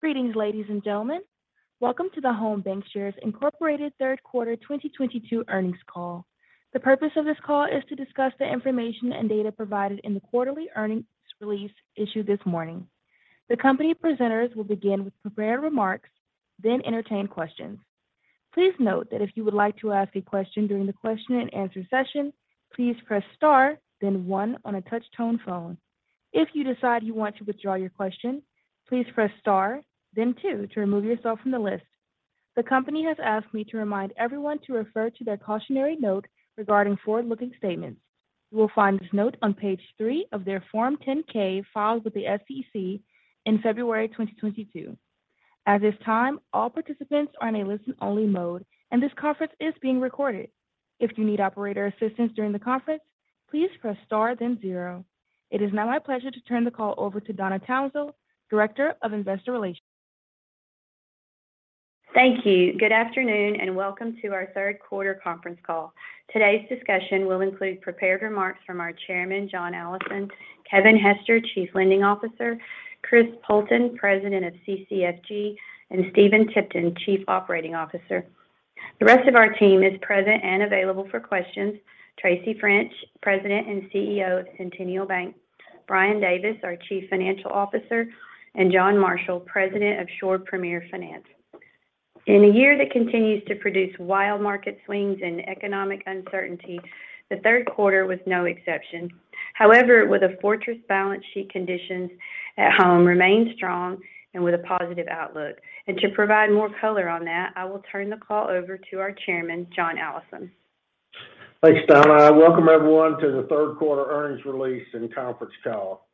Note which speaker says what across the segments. Speaker 1: Greetings, ladies and gentlemen. Welcome to the Home BancShares, Inc Third Quarter 2022 Earnings Call. The purpose of this call is to discuss the information and data provided in the quarterly earnings release issued this morning. The company presenters will begin with prepared remarks, then entertain questions. Please note that if you would like to ask a question during the question-and-answer session, please press star then one on a touch-tone phone. If you decide you want to withdraw your question, please press star then two to remove yourself from the list. The company has asked me to remind everyone to refer to their cautionary note regarding forward-looking statements. You will find this note on page three of their Form 10-K filed with the SEC in February 2022. At this time, all participants are in a listen-only mode, and this conference is being recorded. If you need operator assistance during the conference, please press star then zero. It is now my pleasure to turn the call over to Donna Townsell, Director of Investor Relations.
Speaker 2: Thank you. Good afternoon, and welcome to our third quarter conference call. Today's discussion will include prepared remarks from our Chairman, John Allison; Kevin Hester, Chief Lending Officer; Chris Poulton, President of CCFG; and Stephen Tipton, Chief Operating Officer. The rest of our team is present and available for questions. Tracy French, President and CEO of Centennial Bank; Brian Davis, our Chief Financial Officer; and John Marshall, President of Shore Premier Finance. In a year that continues to produce wild market swings and economic uncertainty, the third quarter was no exception. However, with a fortress balance sheet, conditions at home remained strong and with a positive outlook. To provide more color on that, I will turn the call over to our Chairman, John Allison.
Speaker 3: Thanks, Donna. Welcome everyone to the third quarter earnings release and conference call.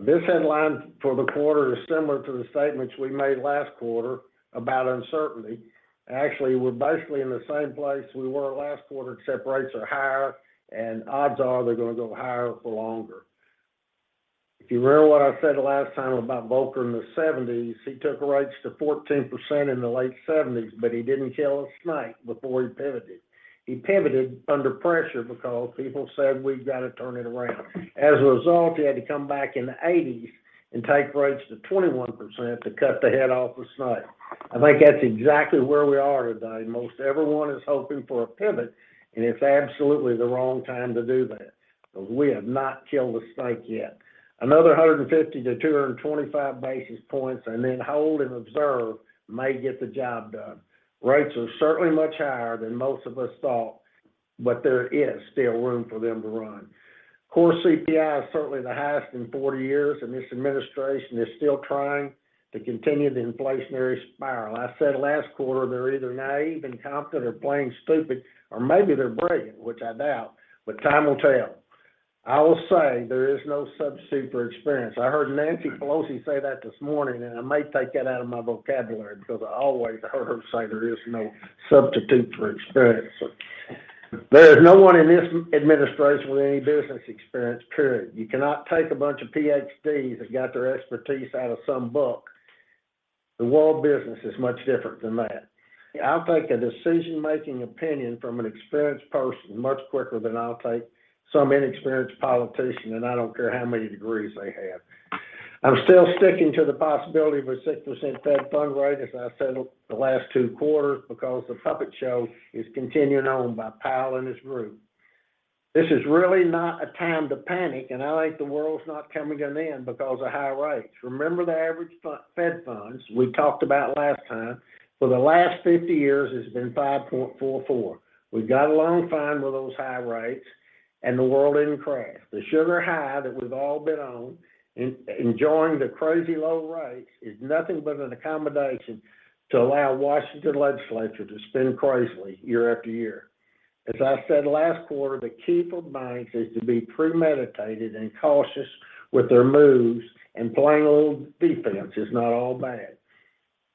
Speaker 3: This headline for the quarter is similar to the statements we made last quarter about uncertainty. Actually, we're basically in the same place we were last quarter, except rates are higher, and odds are they're gonna go higher for longer. If you remember what I said last time about Volcker in the 1970s, he took rates to 14% in the late-1970s, but he didn't kill a snake before he pivoted. He pivoted under pressure because people said, "We've got to turn it around." As a result, he had to come back in the 1980s and take rates to 21% to cut the head off the snake. I think that's exactly where we are today. Most everyone is hoping for a pivot, and it's absolutely the wrong time to do that because we have not killed the snake yet. Another 150 basis points-225 basis points and then hold and observe may get the job done. Rates are certainly much higher than most of us thought, but there is still room for them to run. Core CPI is certainly the highest in 40 years, and this administration is still trying to continue the inflationary spiral. I said last quarter, they're either naive and competent or playing stupid, or maybe they're brilliant, which I doubt, but time will tell. I will say there is no substitute for experience. I heard Nancy Pelosi say that this morning, and I may take that out of my vocabulary because I always heard her say there is no substitute for experience. There is no one in this administration with any business experience, period. You cannot take a bunch of PhDs that got their expertise out of some book. The world business is much different than that. I'll take a decision-making opinion from an experienced person much quicker than I'll take some inexperienced politician, and I don't care how many degrees they have. I'm still sticking to the possibility of a 6% Fed funds rate, as I said the last two quarters, because the puppet show is continuing on by Powell and his group. This is really not a time to panic, and I think the world's not coming to an end because of high rates. Remember, the average Fed funds we talked about last time for the last 50 years has been 5.44%. We've got along fine with those high rates and the world didn't crash. The sugar high that we've all been on enjoying the crazy low rates is nothing but an accommodation to allow Washington legislature to spend crazily year-after-year. As I said last quarter, the key for banks is to be premeditated and cautious with their moves, and plain old defense is not all bad.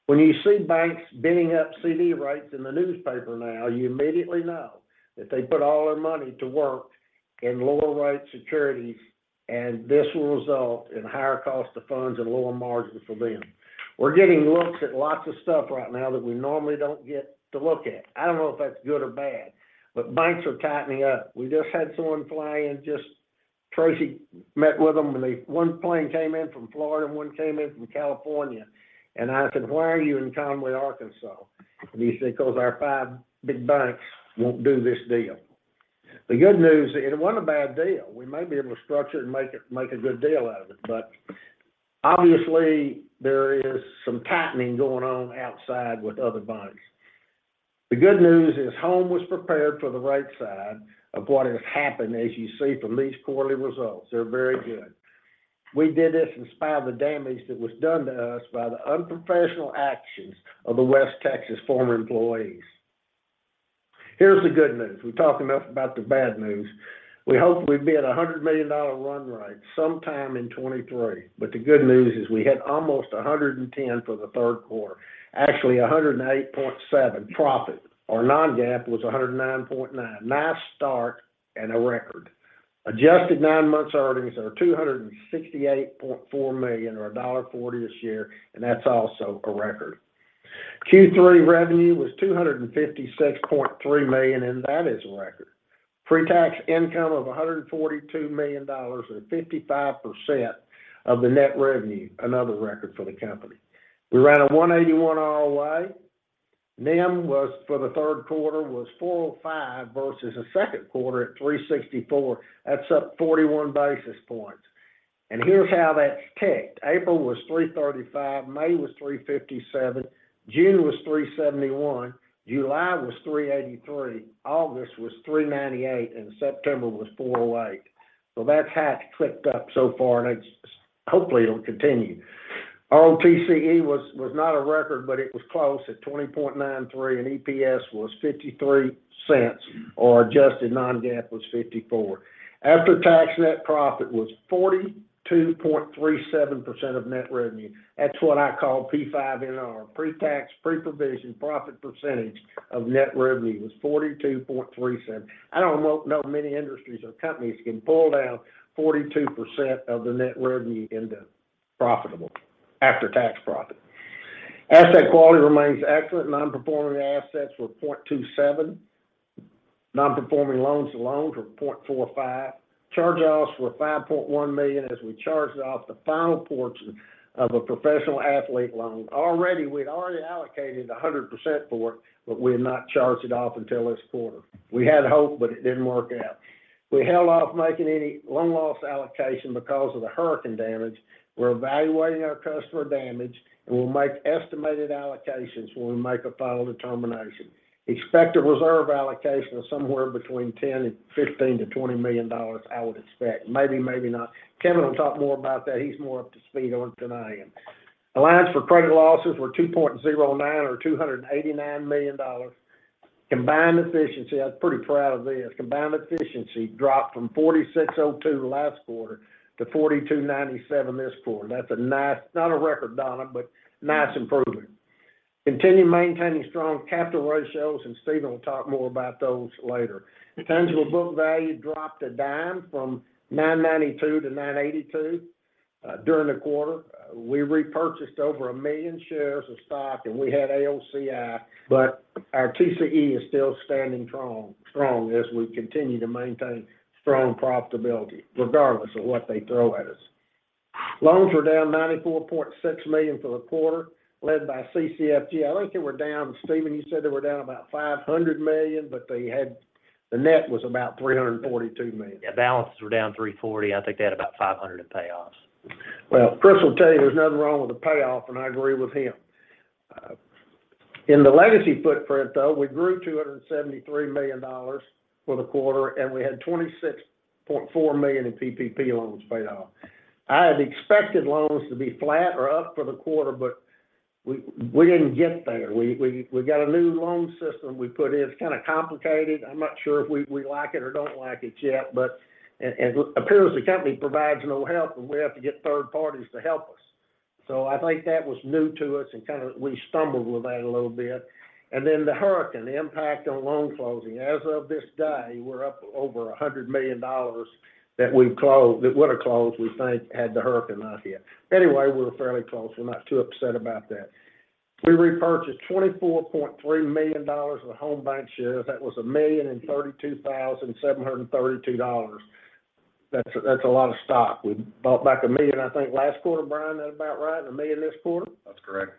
Speaker 3: When you see banks bidding up CD rates in the newspaper now, you immediately know that they put all their money to work in lower rate securities, and this will result in higher cost of funds and lower margins for them. We're getting looks at lots of stuff right now that we normally don't get to look at. I don't know if that's good or bad, but banks are tightening up. We just had someone fly in. Tracy met with them, and one plane came in from Florida and one came in from California. I said, "Why are you in Conway, Arkansas?" He said, "Because our five big banks won't do this deal." The good news, it wasn't a bad deal. We may be able to structure it and make a good deal out of it, but obviously, there is some tightening going on outside with other banks. The good news is Home was prepared for the right side of what has happened, as you see from these quarterly results. They're very good. We did this in spite of the damage that was done to us by the unprofessional actions of the West Texas former employees. Here's the good news. We've talked enough about the bad news. We hope we'll be at a $100 million run rate sometime in 2023, but the good news is we had almost $110 million for the third quarter. Actually, $108.7 million profit. Our non-GAAP was $109.9 million. Nice start and a record. Adjusted nine months earnings are $268.4 million, or $1.40 a share, and that's also a record. Q3 revenue was $256.3 million, and that is a record. Pre-tax income of $142 million at 55% of the net revenue, another record for the company. We ran a 1.81% ROA. NIM was, for the third quarter, 4.05% versus the second quarter at 3.64%. That's up 41 basis points. Here's how that's ticked. April was 335 basis points, May was 357 basis points, June was 371 basis points, July was 383 basis point, August was 398 basis points, and September was 408 basis points. That's how it's ticked up so far, and it's hopefully it'll continue. TCE was not a record, but it was close at $20.93, and EPS was $0.53, or adjusted non-GAAP was $0.54. After-tax net profit was 42.37% of net revenue. That's what I call PPNR, pre-tax, pre-provision profit percentage of net revenue was 42.37%. I don't know many industries or companies can pull down 42% of the net revenue into profitable after-tax profit. Asset quality remains excellent. Non-performing assets were 0.27%. Non-performing loans to loans were 0.45%. Charge-offs were $5.1 million as we charged off the final portion of a professional athlete loan. Already, we'd already allocated 100% for it, but we had not charged it off until this quarter. We had hope, but it didn't work out. We held off making any loan loss allocation because of the hurricane damage. We're evaluating our customer damage, and we'll make estimated allocations when we make a final determination. Expected reserve allocation is somewhere between $10 million and $15 million-$20 million, I would expect. Maybe, maybe not. Kevin will talk more about that. He's more up to speed on it than I am. Allowance for credit losses were 2.09% or $289 million. Combined efficiency, I was pretty proud of this. Combined efficiency dropped from 46.02% last quarter to 42.97% this quarter. That's a nice. Not a record, Donna, but nice improvement. Continue maintaining strong capital ratios, and Stephen will talk more about those later. Tangible book value dropped a dime from 9.92 to 9.82 during the quarter. We repurchased over 1 million shares of stock, and we had AOCI, but our TCE is still standing strong as we continue to maintain strong profitability, regardless of what they throw at us. Loans were down $94.6 million for the quarter, led by CCFG. I think Stephen, you said they were down about $500 million, but the net was about $342 million.
Speaker 4: Yeah, balances were down $340. I think they had about $500 in payoffs.
Speaker 3: Well, Chris will tell you there's nothing wrong with a payoff, and I agree with him. In the legacy footprint, though, we grew $273 million for the quarter, and we had $26.4 million in PPP loans paid off. I had expected loans to be flat or up for the quarter, but we didn't get there. We got a new loan system we put in. It's kind of complicated. I'm not sure if we like it or don't like it yet. But appears the company provides no help, and we have to get third parties to help us. I think that was new to us and kind of we stumbled with that a little bit. The hurricane, the impact on loan closing. As of this day, we're up over $100 million that we've closed, that would have closed, we think, had the hurricane not hit. Anyway, we're fairly close. We're not too upset about that. We repurchased $24.3 million of Home BancShares shares. That was $1,032,732. That's a lot of stock. We bought back $1 million, I think, last quarter, Brian. Is that about right? $1 million this quarter?
Speaker 5: That's correct.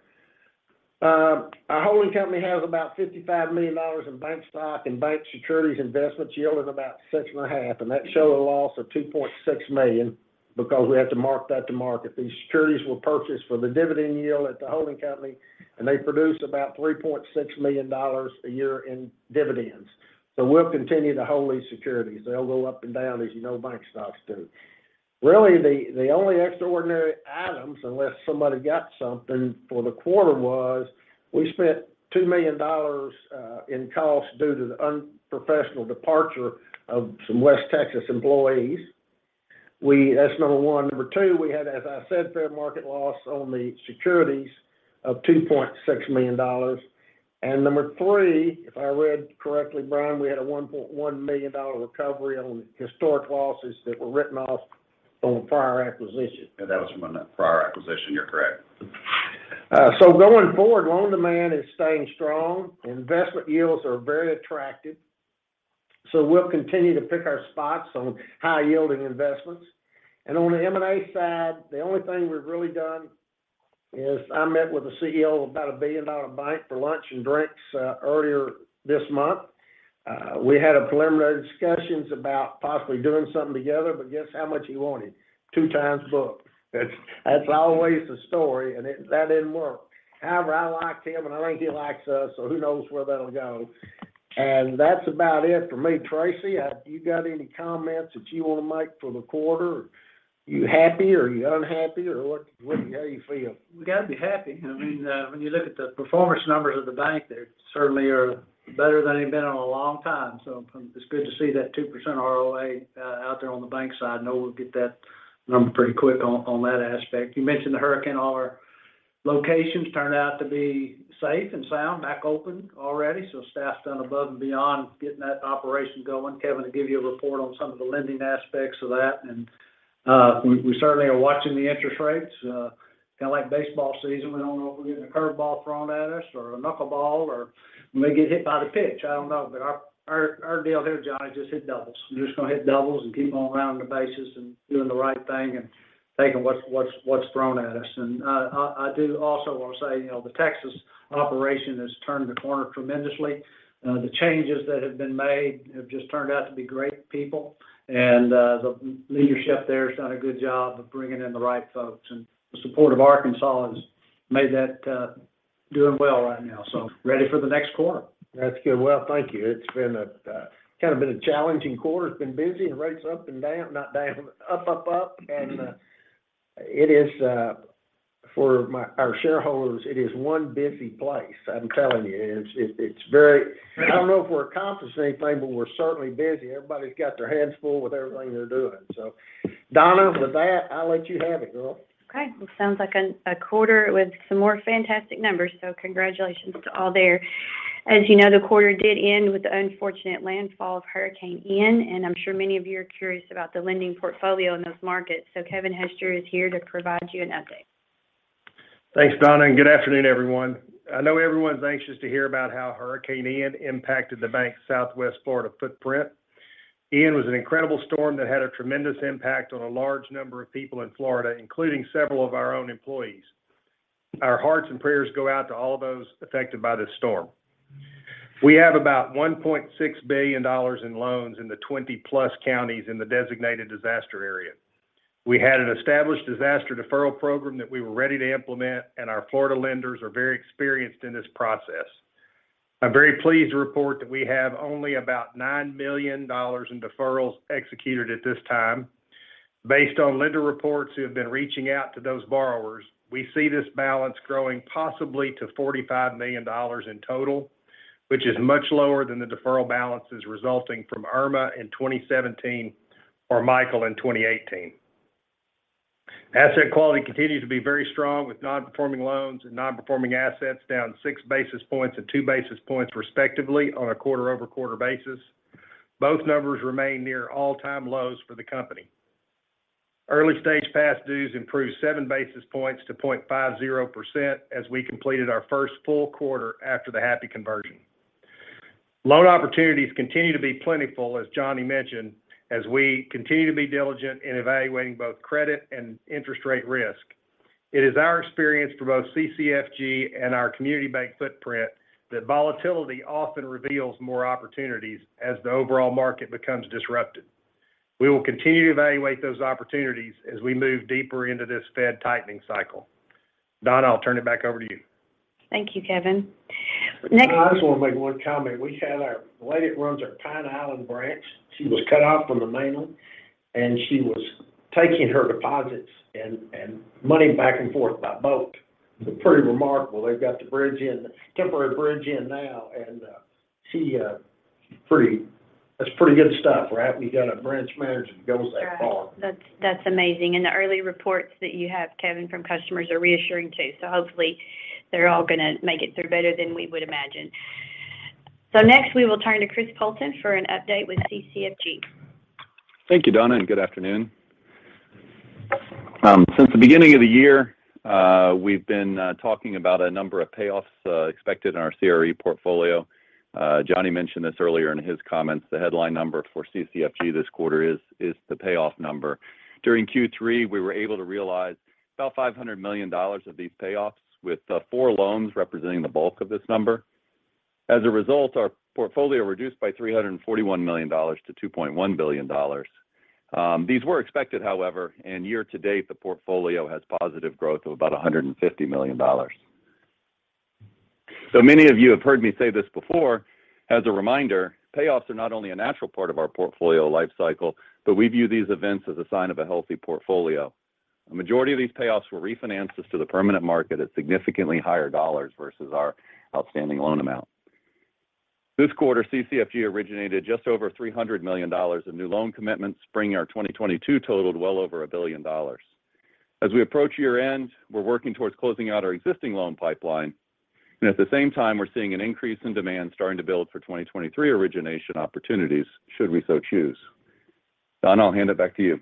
Speaker 3: Our holding company has about $55 million in bank stock and bank securities investments yielding about 6.5%. That showed a loss of $2.6 million because we have to mark that to market. These securities were purchased for the dividend yield at the holding company, and they produce about $3.6 million a year in dividends. We'll continue to hold these securities. They'll go up and down as you know bank stocks do. Really, the only extraordinary items, unless somebody got something for the quarter, was we spent $2 million in costs due to the unprofessional departure of some West Texas employees. That's number one. Number two, we had, as I said, fair market loss on the securities of $2.6 million. Number three, if I read correctly, Brian, we had a $1.1 million recovery on historic losses that were written off on prior acquisition.
Speaker 5: Yeah, that was from a prior acquisition. You're correct.
Speaker 3: Going forward, loan demand is staying strong. Investment yields are very attractive. We'll continue to pick our spots on high-yielding investments. On the M&A side, the only thing we've really done is I met with a CEO of about a billion-dollar bank for lunch and drinks, earlier this month. We had preliminary discussions about possibly doing something together, but guess how much he wanted? 2x book. That's always the story, and that didn't work. However, I liked him, and I think he likes us, so who knows where that'll go. That's about it for me. Tracy, have you got any comments that you want to make for the quarter? You happy or you unhappy or what, how you feel?
Speaker 6: We got to be happy. I mean, when you look at the performance numbers of the bank, they certainly are better than they've been in a long time. It's good to see that 2% ROA out there on the bank side. I know we'll get that number pretty quick on that aspect. You mentioned the hurricane. All our locations turned out to be safe and sound, back open already. Staff's done above and beyond getting that operation going. Kevin will give you a report on some of the lending aspects of that and We certainly are watching the interest rates. Kind of like baseball season, we don't know if we're getting a curve ball thrown at us or a knuckle ball, or we may get hit by the pitch. I don't know. Our deal here, Johnny, just hit doubles. We're just gonna hit doubles and keep on rounding the bases and doing the right thing and taking what's thrown at us. I do also want to say, you know, the Texas operation has turned the corner tremendously. The changes that have been made have just turned out to be great people. The leadership there has done a good job of bringing in the right folks. The support of Arkansas has made that doing well right now, so ready for the next quarter.
Speaker 3: That's good. Well, thank you. It's been kind of a challenging quarter. It's been busy and rates up and down, not down, up, up. It is for our shareholders, it is one busy place. I'm telling you, it's. I don't know if we're accomplishing anything, but we're certainly busy. Everybody's got their hands full with everything they're doing. Donna, with that, I'll let you have it, girl.
Speaker 2: Okay. Well, sounds like a quarter with some more fantastic numbers, so congratulations to all there. As you know, the quarter did end with the unfortunate landfall of Hurricane Ian, and I'm sure many of you are curious about the lending portfolio in those markets. Kevin Hester is here to provide you an update.
Speaker 7: Thanks, Donna, and good afternoon, everyone. I know everyone's anxious to hear about how Hurricane Ian impacted the bank's Southwest Florida footprint. Ian was an incredible storm that had a tremendous impact on a large number of people in Florida, including several of our own employees. Our hearts and prayers go out to all those affected by this storm. We have about $1.6 billion in loans in the 20+ counties in the designated disaster area. We had an established disaster deferral program that we were ready to implement, and our Florida lenders are very experienced in this process. I'm very pleased to report that we have only about $9 million in deferrals executed at this time. Based on lender reports who have been reaching out to those borrowers, we see this balance growing possibly to $45 million in total, which is much lower than the deferral balances resulting from Irma in 2017 or Michael in 2018. Asset quality continues to be very strong with non-performing loans and non-performing assets down six basis points and two basis points respectively on a quarter-over-quarter basis. Both numbers remain near all-time lows for the company. Early stage past dues improved 7 basis points to 0.50% as we completed our first full quarter after the Happy conversion. Loan opportunities continue to be plentiful, as Johnny mentioned, as we continue to be diligent in evaluating both credit and interest rate risk. It is our experience for both CCFG and our community bank footprint that volatility often reveals more opportunities as the overall market becomes disrupted. We will continue to evaluate those opportunities as we move deeper into this Fed tightening cycle. Donna, I'll turn it back over to you.
Speaker 2: Thank you, Kevin.
Speaker 3: I just want to make one comment. We had our lady that runs our Pine Island branch. She was cut off from the mainland, and she was taking her deposits and money back and forth by boat. Pretty remarkable. They've got the bridge in, temporary bridge in now, and she's pretty. That's pretty good stuff. We're happy we got a branch manager that goes that far.
Speaker 2: Right. That's amazing. The early reports that you have, Kevin, from customers are reassuring too. Hopefully they're all gonna make it through better than we would imagine. Next, we will turn to Chris Poulton for an update with CCFG.
Speaker 8: Thank you, Donna, and good afternoon. Since the beginning of the year, we've been talking about a number of payoffs expected in our CRE portfolio. Johnny mentioned this earlier in his comments. The headline number for CCFG this quarter is the payoff number. During Q3, we were able to realize about $500 million of these payoffs with four loans representing the bulk of this number. As a result, our portfolio reduced by $341 million to $2.1 billion. These were expected, however, and year to date, the portfolio has positive growth of about $150 million. Many of you have heard me say this before, as a reminder, payoffs are not only a natural part of our portfolio life cycle, but we view these events as a sign of a healthy portfolio. A majority of these payoffs were refinances to the permanent market at significantly higher dollars versus our outstanding loan amount. This quarter, CCFG originated just over $300 million of new loan commitments, bringing our 2022 total well over $1 billion. As we approach year-end, we're working towards closing out our existing loan pipeline. At the same time, we're seeing an increase in demand starting to build for 2023 origination opportunities should we so choose. Donna, I'll hand it back to you.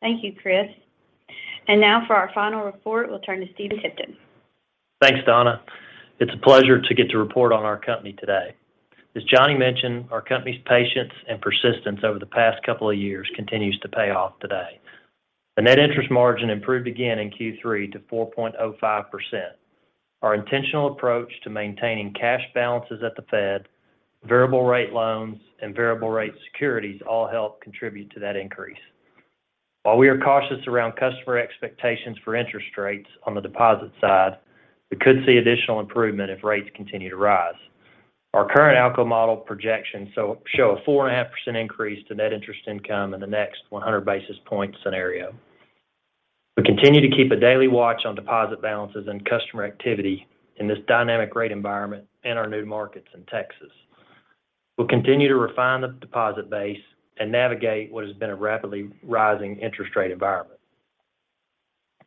Speaker 2: Thank you, Chris. Now for our final report, we'll turn to Stephen Tipton.
Speaker 4: Thanks, Donna. It's a pleasure to get to report on our company today. As Johnny mentioned, our company's patience and persistence over the past couple of years continues to pay off today. The net interest margin improved again in Q3 to 4.05%. Our intentional approach to maintaining cash balances at the Fed, variable rate loans, and variable rate securities all help contribute to that increase. While we are cautious around customer expectations for interest rates on the deposit side, we could see additional improvement if rates continue to rise. Our current ALCO model projections show a 4.5% increase to net interest income in the next 100 basis point scenario. We continue to keep a daily watch on deposit balances and customer activity in this dynamic rate environment in our new markets in Texas. We'll continue to refine the deposit base and navigate what has been a rapidly rising interest rate environment.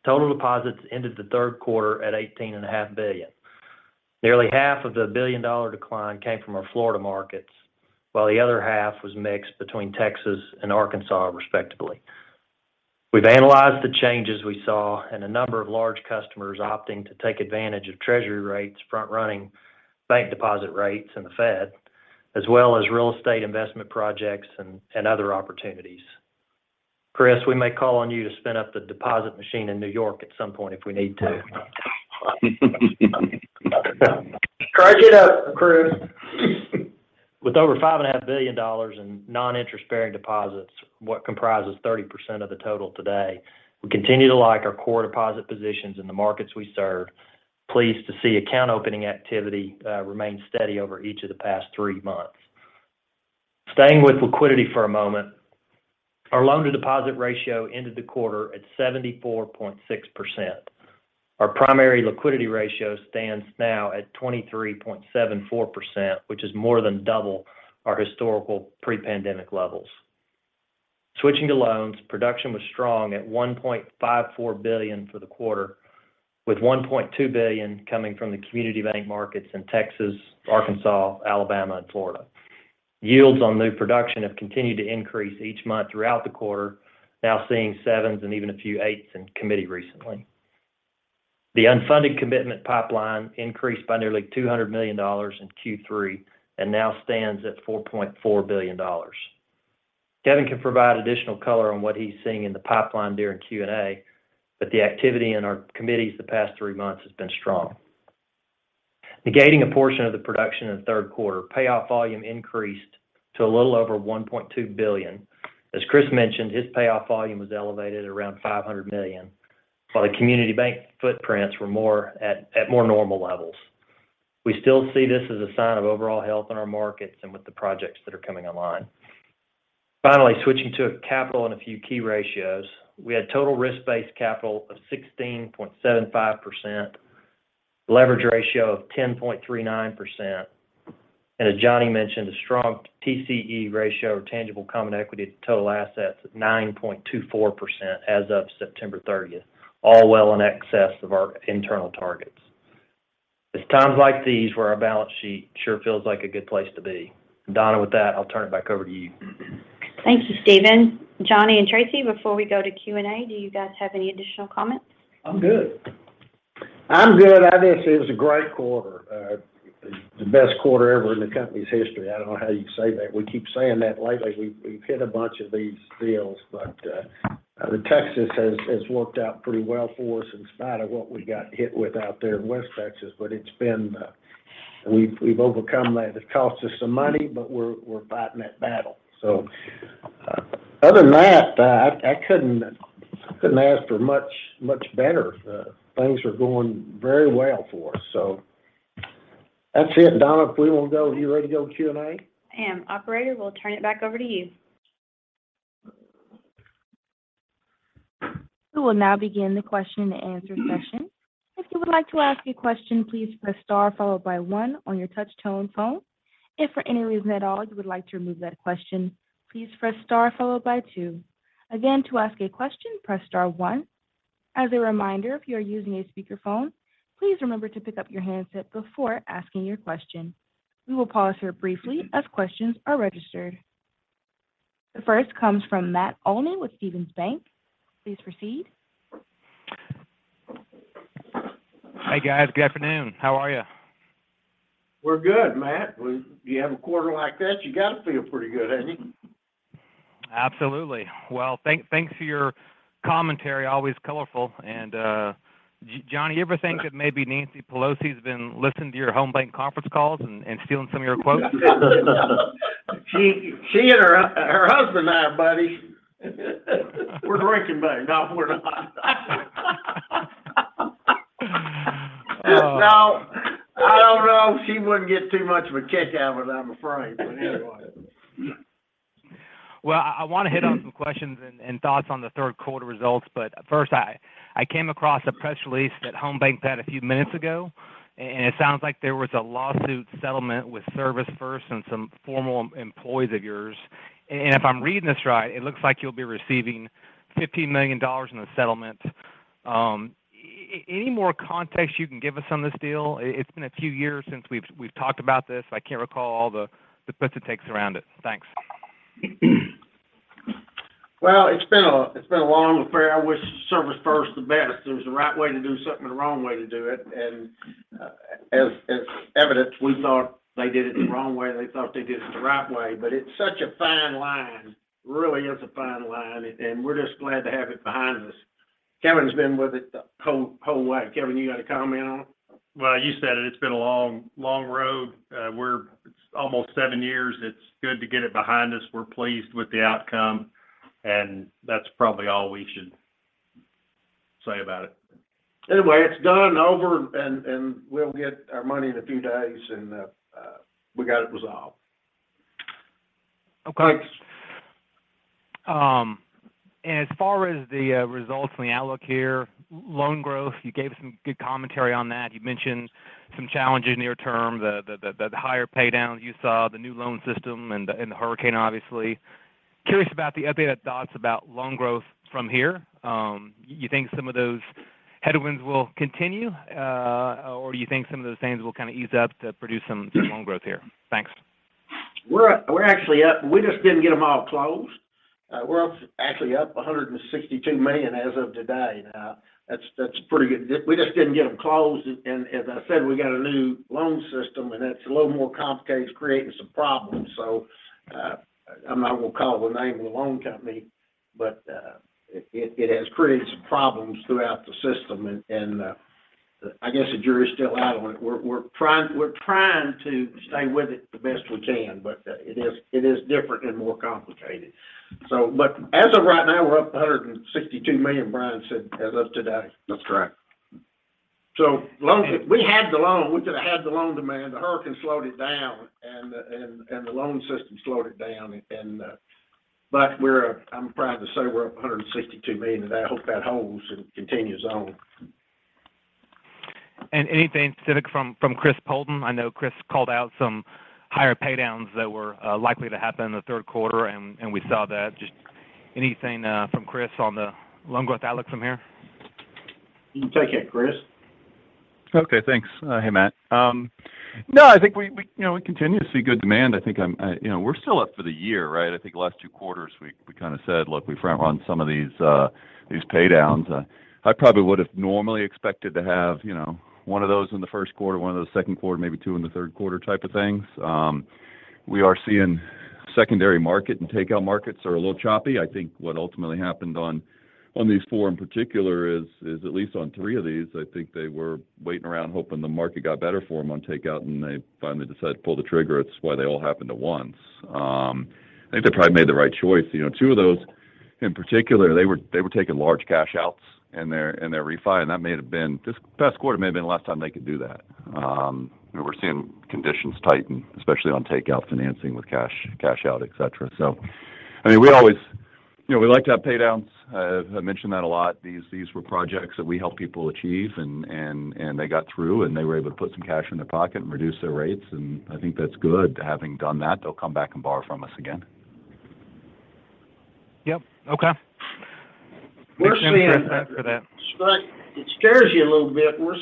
Speaker 4: Total deposits ended the third quarter at $18.5 billion. Nearly half of the billion-dollar decline came from our Florida markets, while the other half was mixed between Texas and Arkansas, respectively. We've analyzed the changes we saw, and a number of large customers opting to take advantage of treasury rates front-running bank deposit rates and the Fed, as well as real estate investment projects and other opportunities. Chris, we may call on you to spin up the deposit machine in New York at some point if we need to.
Speaker 3: Charge it up, Chris.
Speaker 4: With over $5.5 billion in non-interest-bearing deposits, what comprises 30% of the total today, we continue to like our core deposit positions in the markets we serve. Pleased to see account opening activity remain steady over each of the past three months. Staying with liquidity for a moment, our loan-to-deposit ratio ended the quarter at 74.6%. Our primary liquidity ratio stands now at 23.74%, which is more than double our historical pre-pandemic levels. Switching to loans, production was strong at $1.54 billion for the quarter, with $1.2 billion coming from the community bank markets in Texas, Arkansas, Alabama, and Florida. Yields on new production have continued to increase each month throughout the quarter, now seeing 7%s and even a few 8%s in committee recently. The unfunded commitment pipeline increased by nearly $200 million in Q3 and now stands at $4.4 billion. Kevin can provide additional color on what he's seeing in the pipeline during Q&A, but the activity in our committees the past three months has been strong. Negating a portion of the production in the third quarter, payoff volume increased to a little over $1.2 billion. As Chris mentioned, his payoff volume was elevated around $500 million, while the community bank footprints were more at more normal levels. We still see this as a sign of overall health in our markets and with the projects that are coming online. Finally, switching to capital and a few key ratios. We had total risk-based capital of 16.75%, leverage ratio of 10.39%, and as Johnny mentioned, a strong TCE ratio, or tangible common equity to total assets, of 9.24% as of September 30th, all well in excess of our internal targets. It's times like these where our balance sheet sure feels like a good place to be. Donna, with that, I'll turn it back over to you.
Speaker 2: Thank you, Stephen. John and Tracy, before we go to Q&A, do you guys have any additional comments?
Speaker 3: I'm good. I think this is a great quarter. The best quarter ever in the company's history. I don't know how you say that. We keep saying that lately. We've hit a bunch of these deals, but the Texas has worked out pretty well for us in spite of what we got hit with out there in West Texas. We've overcome that. It cost us some money, but we're fighting that battle. Other than that, I couldn't ask for much better. Things are going very well for us. That's it. Donna, if we want to go, are you ready to go to Q&A?
Speaker 2: I am. Operator, we'll turn it back over to you.
Speaker 1: We will now begin the question-and-answer session. If you would like to ask a question, please press star followed by one on your touch tone phone. If for any reason at all you would like to remove that question, please press star followed by two. Again, to ask a question, press star one. As a reminder, if you are using a speakerphone, please remember to pick up your handset before asking your question. We will pause here briefly as questions are registered. The first comes from Matt Olney with Stephens Inc. Please proceed.
Speaker 9: Hi, guys. Good afternoon. How are you?
Speaker 3: We're good, Matt. If you have a quarter like that, you got to feel pretty good, haven't you?
Speaker 9: Absolutely. Well, thanks for your commentary, always colorful. Johnny, you ever think that maybe Nancy Pelosi's been listening to your Home BancShares conference calls and stealing some of your quotes?
Speaker 3: She and her husband are buddies. We're drinking buddies. No, we're not. No, I don't know. She wouldn't get too much of a kick out of it, I'm afraid. Anyway.
Speaker 9: I want to hit on some questions and thoughts on the third quarter results. I came across a press release that Home BancShares had a few minutes ago, and it sounds like there was a lawsuit settlement with ServisFirst Bank and some former employees of yours. If I'm reading this right, it looks like you'll be receiving $15 million in the settlement. Any more context you can give us on this deal? It's been a few years since we've talked about this. I can't recall all the gives and takes around it. Thanks.
Speaker 3: Well, it's been a long affair. I wish ServisFirst Bank the best. There's a right way to do something and a wrong way to do it. As evident, we thought they did it the wrong way, and they thought they did it the right way. It's such a fine line. Really is a fine line, and we're just glad to have it behind us. Kevin's been with it the whole way. Kevin, you got a comment on it?
Speaker 7: Well, you said it. It's been a long, long road. We're almost seven years. It's good to get it behind us. We're pleased with the outcome, and that's probably all we should say about it.
Speaker 3: Anyway, it's done and over, and we'll get our money in a few days, and we got it resolved.
Speaker 9: Okay. As far as the results and the outlook here, loan growth, you gave some good commentary on that. You mentioned some challenges near term, the higher pay downs you saw, the new loan system and the hurricane obviously. Curious about the updated thoughts about loan growth from here. You think some of those headwinds will continue, or you think some of those things will kind of ease up to produce some loan growth here? Thanks.
Speaker 3: We're actually up. We just didn't get them all closed. We're actually up $162 million as of today. Now, that's pretty good. We just didn't get them closed, and as I said, we got a new loan system, and it's a little more complicated. It's creating some problems. I'm not gonna call the name of the loan company, but it has created some problems throughout the system, and I guess the jury is still out on it. We're trying to stay with it the best we can, but it is different and more complicated. So but as of right now, we're up $162 million, Brian said, as of today.
Speaker 5: That's correct.
Speaker 3: We could've had the loan demand. The hurricane slowed it down, and the loan system slowed it down. I'm proud to say we're up $162 million, and I hope that holds and continues on.
Speaker 9: Anything specific from Chris Poulton? I know Chris called out some higher pay downs that were likely to happen in the third quarter, and we saw that. Just anything from Chris on the loan growth outlook from here?
Speaker 3: You can take it, Chris.
Speaker 8: Okay, thanks. Hey, Matt. No, I think we continue to see good demand. I think you know, we're still up for the year, right? I think the last two quarters, we kinda said, "Look, we front run some of these pay downs." I probably would have normally expected to have, you know, one of those in the first quarter, one in the second quarter, maybe two in the third quarter type of things. We are seeing secondary market and takeout markets are a little choppy. I think what ultimately happened on these four in particular is at least on three of these, I think they were waiting around hoping the market got better for them on takeout, and they finally decided to pull the trigger. It's why they all happened at once. I think they probably made the right choice. You know, two of those in particular, they were taking large cash outs in their refi. This past quarter may have been the last time they could do that. We're seeing conditions tighten, especially on takeout financing with cash-out, etc. I mean, we always, you know, like to have pay downs. I mention that a lot. These were projects that we helped people achieve and they got through, and they were able to put some cash in their pocket and reduce their rates, and I think that's good. Having done that, they'll come back and borrow from us again.
Speaker 9: Yep. Okay.
Speaker 3: We're seeing—
Speaker 9: Thanks, Chris, appreciate that.
Speaker 3: It scares you a little bit. We're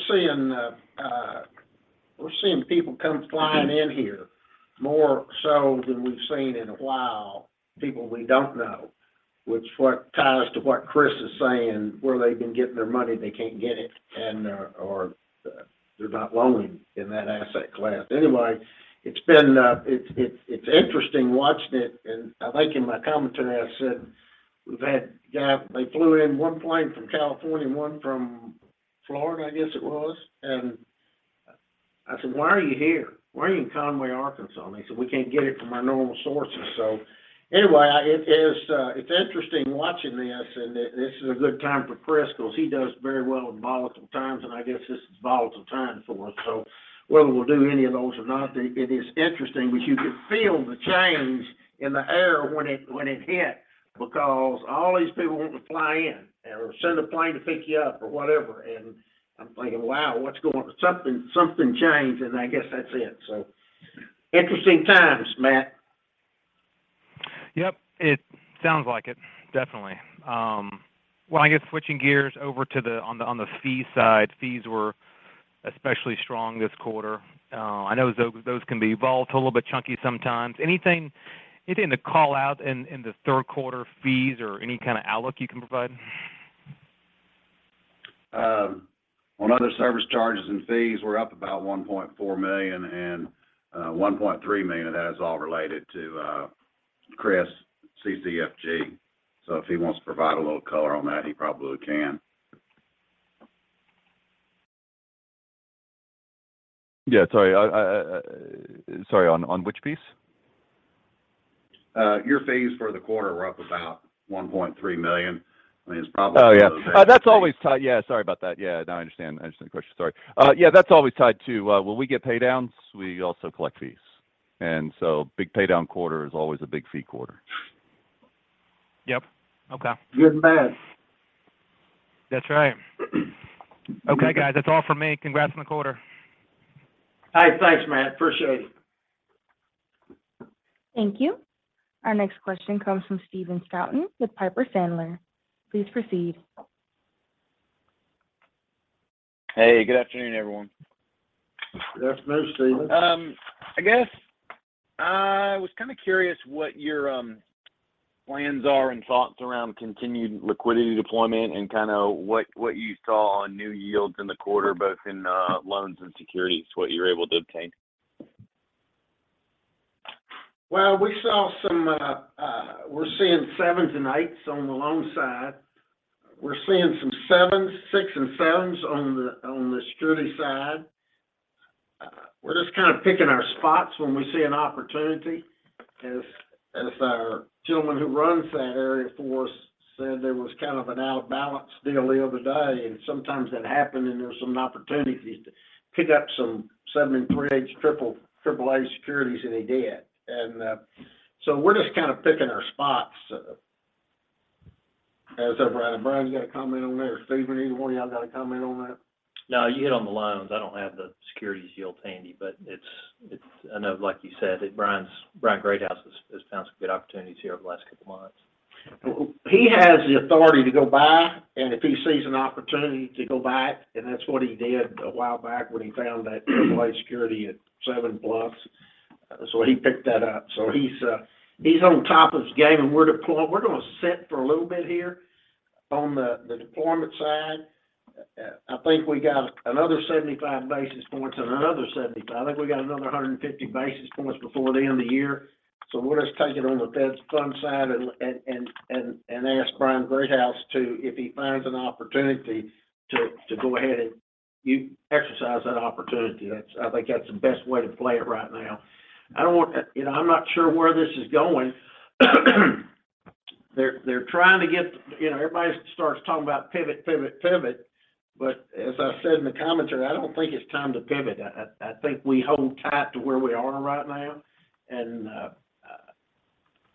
Speaker 3: seeing people come flying in here more so than we've seen in a while, people we don't know, which ties to what Chris is saying, where they've been getting their money, they can't get it, or they're not loaning in that asset class. Anyway, it's interesting watching it. I think in my commentary, I said they flew in one plane from California and one from Florida, I guess it was, and I said, "Why are you here? Why are you in Conway, Arkansas?" They said, "We can't get it from our normal sources." Anyway, it is, it's interesting watching this, and this is a good time for Chris because he does very well in volatile times, and I guess this is a volatile time for us. Whether we'll do any of those or not, it is interesting because you could feel the change in the air when it hit because all these people want to fly in or send a plane to pick you up or whatever. I'm thinking, "Wow. Something changed," and I guess that's it. Interesting times, Matt.
Speaker 9: Yep. It sounds like it, definitely. I guess switching gears over to the fee side. Fees were especially strong this quarter. I know those can be volatile, a little bit chunky sometimes. Anything to call out in the third quarter fees or any kind of outlook you can provide?
Speaker 5: On other service charges and fees, we're up about $1.4 million and $1.3 million of that is all related to Chris' CCFG. So if he wants to provide a little color on that, he probably can. Yeah, sorry. Sorry, on which piece? Your fees for the quarter were up about $1.3 million. I mean, it's probably related to fees.
Speaker 8: Yeah. That's always tied. Yeah, sorry about that. Yeah, no, I understand the question. Sorry. Yeah, that's always tied to when we get pay downs, we also collect fees. Big pay down quarter is always a big fee quarter.
Speaker 9: Yep. Okay.
Speaker 3: Good math.
Speaker 9: That's right. Okay, guys, that's all from me. Congrats on the quarter.
Speaker 3: Hey, thanks, Matt. Appreciate it.
Speaker 1: Thank you. Our next question comes from Stephen Scouten with Piper Sandler. Please proceed.
Speaker 10: Hey, good afternoon, everyone.
Speaker 3: Good afternoon, Stephen.
Speaker 10: I guess I was kinda curious what your plans are and thoughts around continued liquidity deployment. And kinda what you saw on new yields in the quarter, both in loans and securities, what you were able to obtain?
Speaker 3: Well, we're seeing 7s% and 8s% on the loan side. We're seeing some 7s%, 6s% and 7s% on the security side. We're just kind of picking our spots when we see an opportunity. As our gentleman who runs that area for us said, there was kind of an out-of-balance deal the other day, and sometimes that happens, and there's some opportunities. He picked up some 7.375% AAA securities, and he did. We're just kind of picking our spots. What's up, Brian? Brian, you got a comment on that, or Stephen, either one of y'all got a comment on that?
Speaker 10: No, you hit on the loans. I don't have the securities yield handy, but it's, I know, like you said, that Bryan Greathouse has found some good opportunities here over the last couple months.
Speaker 3: He has the authority to go buy, and if he sees an opportunity to go buy it, and that's what he did a while back when he found that AAA security at 7%+. He picked that up. He's on top of his game, and we're gonna sit for a little bit here on the deployment side. I think we got another 75 basis points and another 75 basis points. I think we got another 150 basis points before the end of the year. We'll just take it on the Fed funds side and ask Bryan Greathouse to, if he finds an opportunity to go ahead and exercise that opportunity. That's. I think that's the best way to play it right now. I don't want to. You know, I'm not sure where this is going. You know, everybody starts talking about pivot, but as I said in the commentary, I don't think it's time to pivot. I think we hold tight to where we are right now.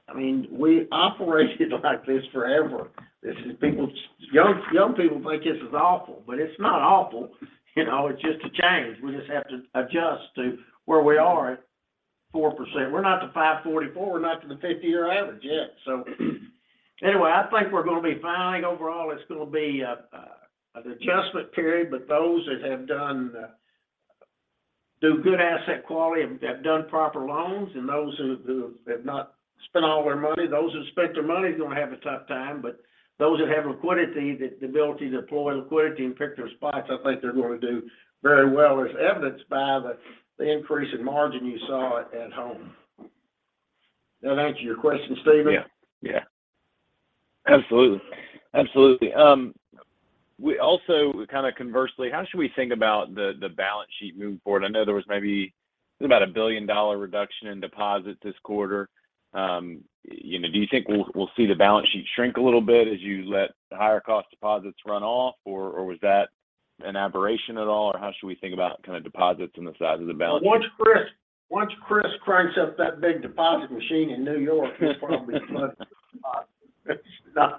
Speaker 3: I mean, we operated like this forever. This is people, young people think this is awful, but it's not awful. You know, it's just a change. We just have to adjust to where we are at 4%. We're not to 5.44%. We're not to the 50-year average yet, so anyway, I think we're gonna be fine. Overall, it's gonna be an adjustment period, but those that have done good asset quality and have done proper loans and those who have not spent all their money. Those who've spent their money are gonna have a tough time, but those that have liquidity, the ability to deploy liquidity and pick their spots, I think they're gonna do very well, as evidenced by the increase in margin you saw at Home. Does that answer your question, Stephen?
Speaker 10: Yeah. Absolutely. We also kind of conversely, how should we think about the balance sheet moving forward? I know there was maybe about $1 billion reduction in deposits this quarter. You know, do you think we'll see the balance sheet shrink a little bit as you let higher cost deposits run off, or was that an aberration at all, or how should we think about kind of deposits and the size of the balance sheet?
Speaker 3: Once Chris cranks up that big deposit machine in New York, he's probably. No,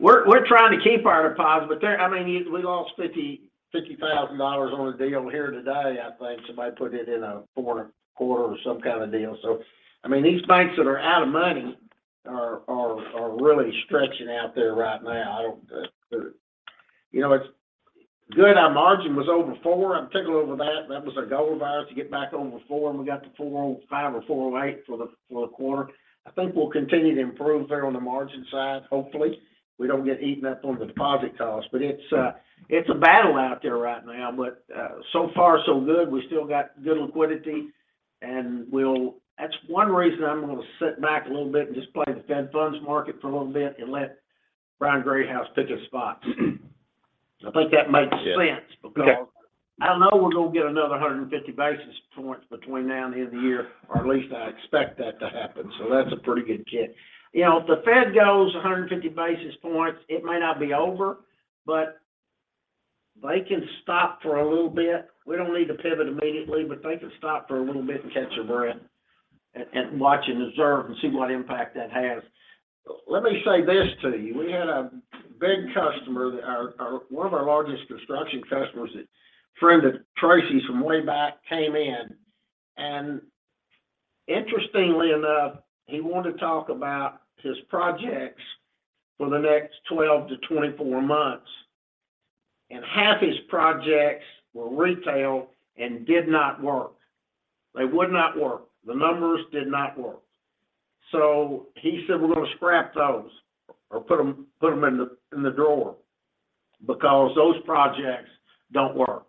Speaker 3: we're trying to keep our deposits, but they're. I mean, we lost $50,000 on a deal here today, I think. Somebody put it in a four-and-four or some kind of deal. I mean, these banks that are out of money are really stretching out there right now. You know, it's good our margin was over 4%. I'm tickled over that. That was our goal to get back over 4%, and we got to 4.05% or 4.08% for the quarter. I think we'll continue to improve there on the margin side. Hopefully, we don't get eaten up on the deposit costs. It's a battle out there right now. So far so good. We still got good liquidity, and we'll. That's one reason I'm gonna sit back a little bit and just play the Fed funds market for a little bit and let Bryan Greathouse pick his spots. I think that makes sense because I know we're gonna get another 150 basis points between now and the end of the year, or at least I expect that to happen, so that's a pretty good guess. You know, if the Fed goes 150 basis points, it may not be over, but they can stop for a little bit. We don't need to pivot immediately, but they can stop for a little bit and catch their breath and watch and observe and see what impact that has. Let me say this to you. We had a big customer, one of our largest construction customers, a friend of Tracy's from way back, came in, and interestingly enough, he wanted to talk about his projects for the next 12-24 months, and half his projects were retail and did not work. They would not work. The numbers did not work. He said, "We're gonna scrap those or put them in the drawer because those projects don't work."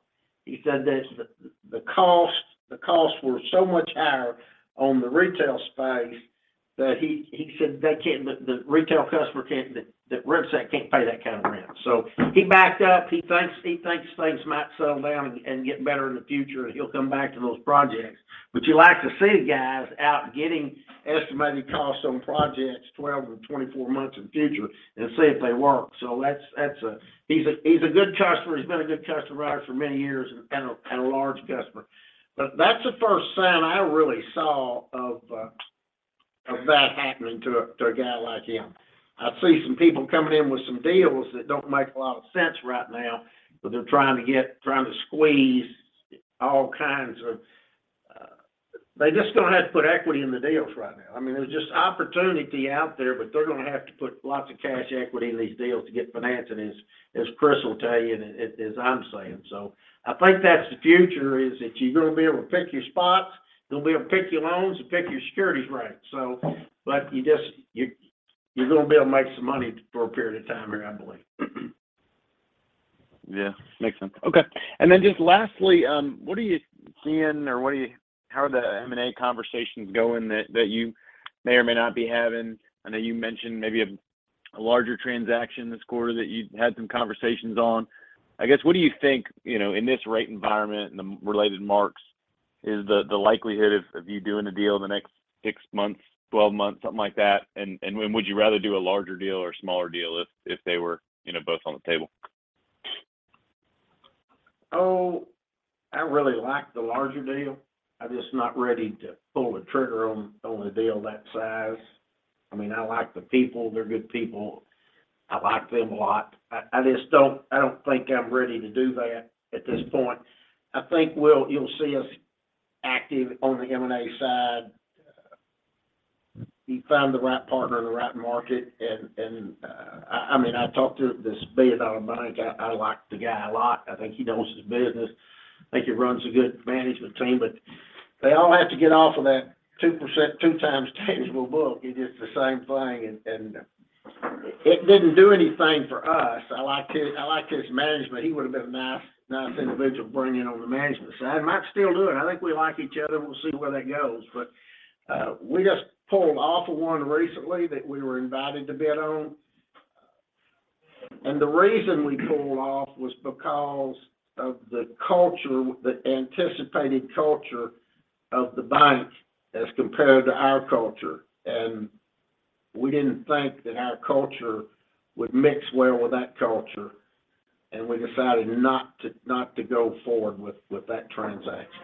Speaker 3: He said that the costs were so much higher on the retail space that the retail customer can't pay that kind of rent. He backed up. He thinks things might settle down and get better in the future, and he'll come back to those projects. You like to see guys out getting estimated costs on projects 12-24 months in the future and see if they work. That's a good customer. He's a good customer of ours for many years and a large customer. That's the first sign I really saw of that happening to a guy like him. I see some people coming in with some deals that don't make a lot of sense right now, but they're trying to squeeze all kinds of. They're just gonna have to put equity in the deals right now. I mean, there's just opportunity out there, but they're gonna have to put lots of cash equity in these deals to get financing, as Chris will tell you and as I'm saying. I think that's the future is that you're gonna be able to pick your spots. You'll be able to pick your loans and pick your securities right. You're gonna be able to make some money for a period of time here, I believe.
Speaker 10: Yeah. Makes sense. Okay. Just lastly, what are the M&A conversations going that you may or may not be having? I know you mentioned maybe a larger transaction this quarter that you had some conversations on. I guess, what do you think, you know, in this rate environment and the related marks is the likelihood of you doing a deal in the next six months, 12 months, something like that? Would you rather do a larger deal or a smaller deal if they were, you know, both on the table?
Speaker 3: Oh, I really like the larger deal. I'm just not ready to pull the trigger on a deal that size. I mean, I like the people. They're good people. I like them a lot. I just don't think I'm ready to do that at this point. I think you'll see us active on the M&A side. If we find the right partner in the right market, and I mean, I talked to this bidder on a bank. I like the guy a lot. I think he knows his business. I think he runs a good management team, but they all have to get off of that 2x tangible book. It's just the same thing and it didn't do anything for us. I liked his management. He would have been a nice individual to bring in on the management side. I might still do it. I think we like each other. We'll see where that goes. We just pulled off of one recently that we were invited to bid on. The reason we pulled off was because of the culture, the anticipated culture of the bank as compared to our culture. We didn't think that our culture would mix well with that culture, and we decided not to go forward with that transaction.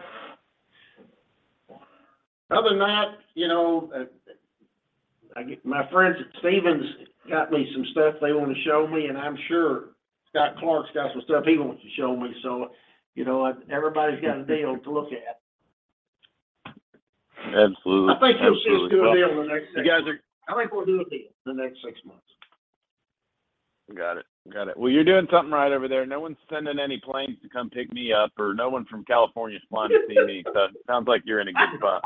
Speaker 3: Other than that, you know, my friends at Stephens got me some stuff they want to show me, and I'm sure Scott Clark's got some stuff he wants to show me, so you know, everybody's got a deal to look at.
Speaker 10: Absolutely. Absolutely.
Speaker 3: I think you'll see us do a deal in the next six months.
Speaker 10: You guys are—
Speaker 3: I think we'll do a deal in the next six months.
Speaker 10: Got it. Well, you're doing something right over there. No one's sending any planes to come pick me up, or no one from California is flying to see me, so sounds like you're in a good spot.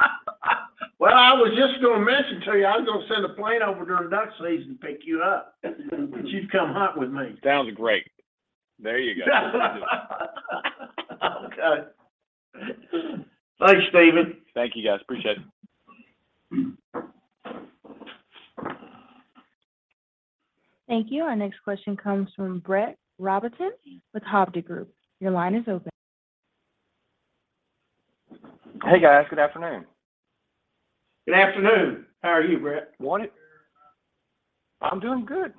Speaker 3: Well, I was just gonna mention to you, I was gonna send a plane over during duck season to pick you up, but you'd come hunt with me.
Speaker 10: Sounds great. There you go.
Speaker 3: Okay. Thanks, Stephen.
Speaker 10: Thank you, guys. Appreciate it.
Speaker 1: Thank you. Our next question comes from Brett Rabatin with Hovde Group. Your line is open.
Speaker 11: Hey, guys. Good afternoon.
Speaker 3: Good afternoon. How are you, Brett?
Speaker 11: I'm doing good.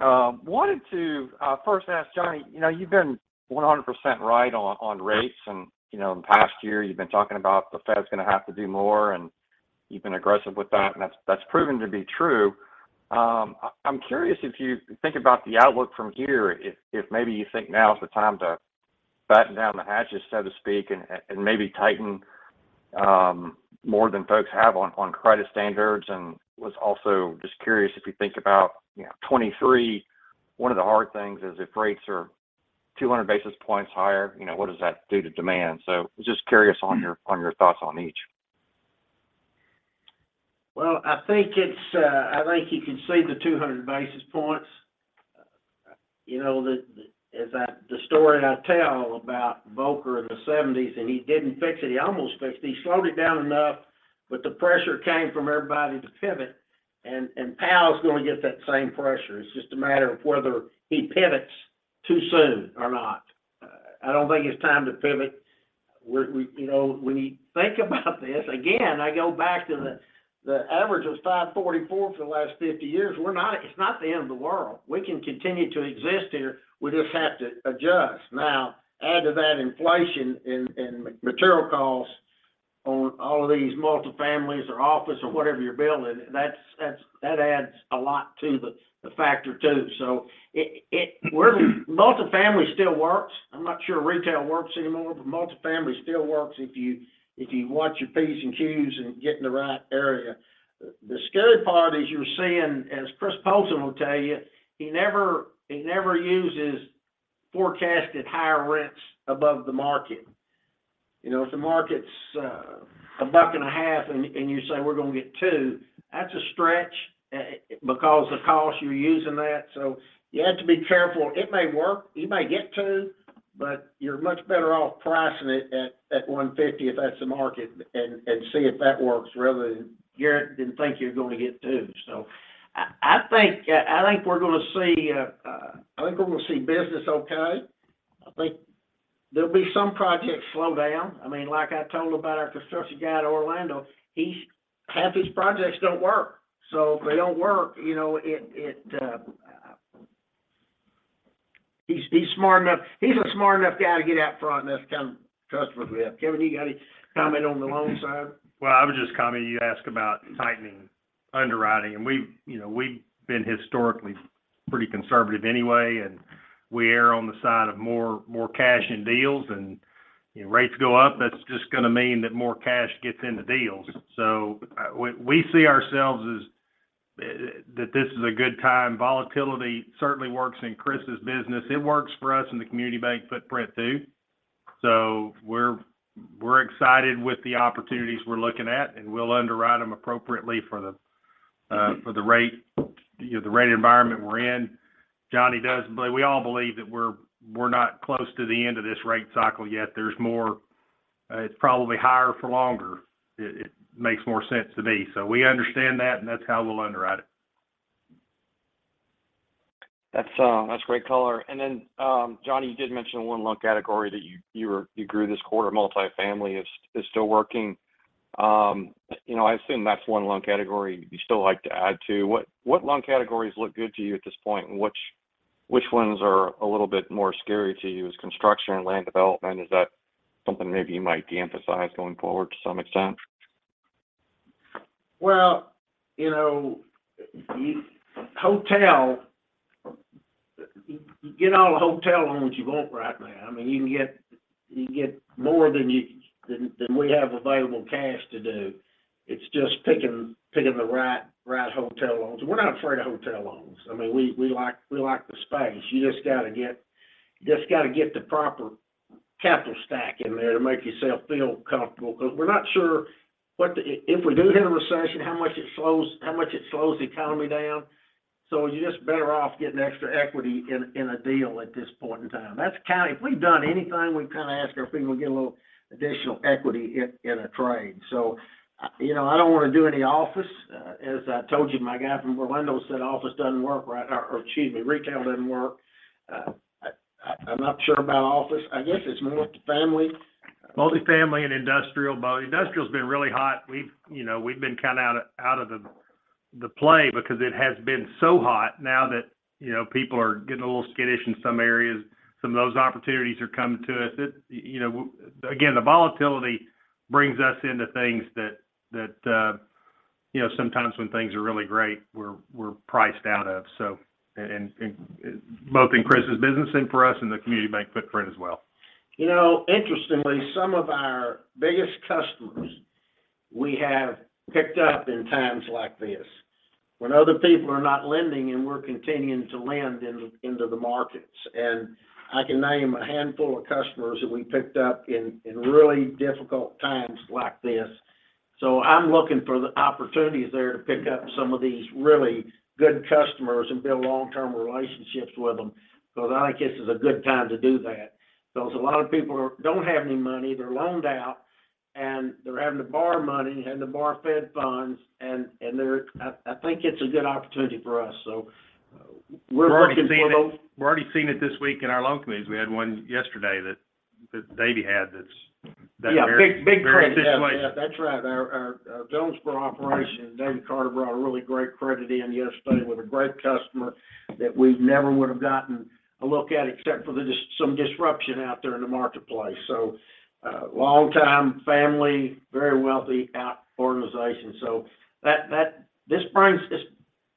Speaker 11: Wanted to first ask Johnny, you know, you've been 100% right on rates and, you know, in the past year, you've been talking about the Fed's gonna have to do more, and you've been aggressive with that, and that's proven to be true. I'm curious if you think about the outlook from here, if maybe you think now is the time to batten down the hatches, so to speak, and maybe tighten more than folks have on credit standards. Was also just curious if you think about, you know, 2023, one of the hard things is if rates are 200 basis points higher, you know, what does that do to demand? Just curious on your thoughts on each.
Speaker 3: Well, I think you can see the 200 basis points. You know, the story I tell about Volcker in the seventies, and he didn't fix it. He almost fixed it. He slowed it down enough, but the pressure came from everybody to pivot, and Powell is gonna get that same pressure. It's just a matter of whether he pivots too soon or not. I don't think it's time to pivot. You know, when you think about this, again, I go back to the average of 5.44% for the last 50 years. It's not the end of the world. We can continue to exist here. We just have to adjust. Now, add to that inflation and material costs on all of these multi-families or office or whatever you're building, that adds a lot to the factor too. Multifamily still works. I'm not sure retail works anymore, but multifamily still works if you watch your P's and Q's and get in the right area. The scary part is you're seeing, as Chris Poulton will tell you, he never uses forecasted higher rents above the market. You know, if the market's $1.50 And you say we're gonna get $2, that's a stretch because the cost you're using that. You have to be careful. It may work, you may get $2, but you're much better off pricing it at $1.50 if that's the market and see if that works rather than think you're gonna get $2. I think we're gonna see business okay. I think there'll be some projects slow down. I mean, like I told about our construction guy in Orlando, he's half his projects don't work. If they don't work, you know, he's smart enough. He's a smart enough guy to get out front, and that's the kind of trustworthy we have. Kevin, you got any comment on the loan side?
Speaker 7: Well, I was just commenting. You asked about tightening underwriting, and we've, you know, been historically pretty conservative anyway, and we err on the side of more cash in deals. You know, rates go up, that's just gonna mean that more cash gets into deals. We see ourselves as that this is a good time. Volatility certainly works in Chris's business. It works for us in the community bank footprint too. We're excited with the opportunities we're looking at, and we'll underwrite them appropriately for the rate, you know, the rate environment we're in. Johnny doesn't, but we all believe that we're not close to the end of this rate cycle yet. There's more. It's probably higher for longer. It makes more sense to me. We understand that, and that's how we'll underwrite it.
Speaker 11: That's great color. Johnny, you did mention one little category that you grew this quarter. Multifamily is still working. You know, I assume that's one loan category you'd still like to add to. What loan categories look good to you at this point, and which ones are a little bit more scary to you as construction and land development? Is that something maybe you might de-emphasize going forward to some extent?
Speaker 3: Well, you know, you can get all the hotel loans you want right now. I mean, you can get more than we have available cash to do. It's just picking the right hotel loans. We're not afraid of hotel loans. I mean, we like the space. You just got to get the proper capital stack in there to make yourself feel comfortable, because we're not sure what if we do hit a recession, how much it slows the economy down. You're just better off getting extra equity in a deal at this point in time. That's kind of it. If we've done anything, we've kind of asked our people to get a little additional equity in a trade. You know, I don't want to do any office. As I told you, my guy from Orlando said retail doesn't work. I'm not sure about office. I guess it's more multifamily.
Speaker 4: Multifamily and industrial. Industrial's been really hot. We've you know been kind of out of the play because it has been so hot now that you know people are getting a little skittish in some areas. Some of those opportunities are coming to us. It. You know again the volatility brings us into things that you know sometimes when things are really great we're priced out of. And both in Chris's business and for us and the community bank footprint as well.
Speaker 3: You know, interestingly, some of our biggest customers, we have picked up in times like this, when other people are not lending and we're continuing to lend into the markets. I can name a handful of customers that we picked up in really difficult times like this. I'm looking for the opportunities there to pick up some of these really good customers and build long-term relationships with them because I think this is a good time to do that. Because a lot of people don't have any money, they're loaned out, and they're having to borrow money, having to borrow Fed funds. I think it's a good opportunity for us. We're
Speaker 4: We've already seen it. We've already seen it this week in our loan committees. We had one yesterday that Davy had that very
Speaker 3: Yeah, big, big credit. Yeah.
Speaker 4: Very similar.
Speaker 3: That's right. Our Jonesboro operation, Davy Carter, brought a really great credit in yesterday with a great customer that we never would have gotten a look at except for some disruption out there in the marketplace. Longtime family, very wealthy organization.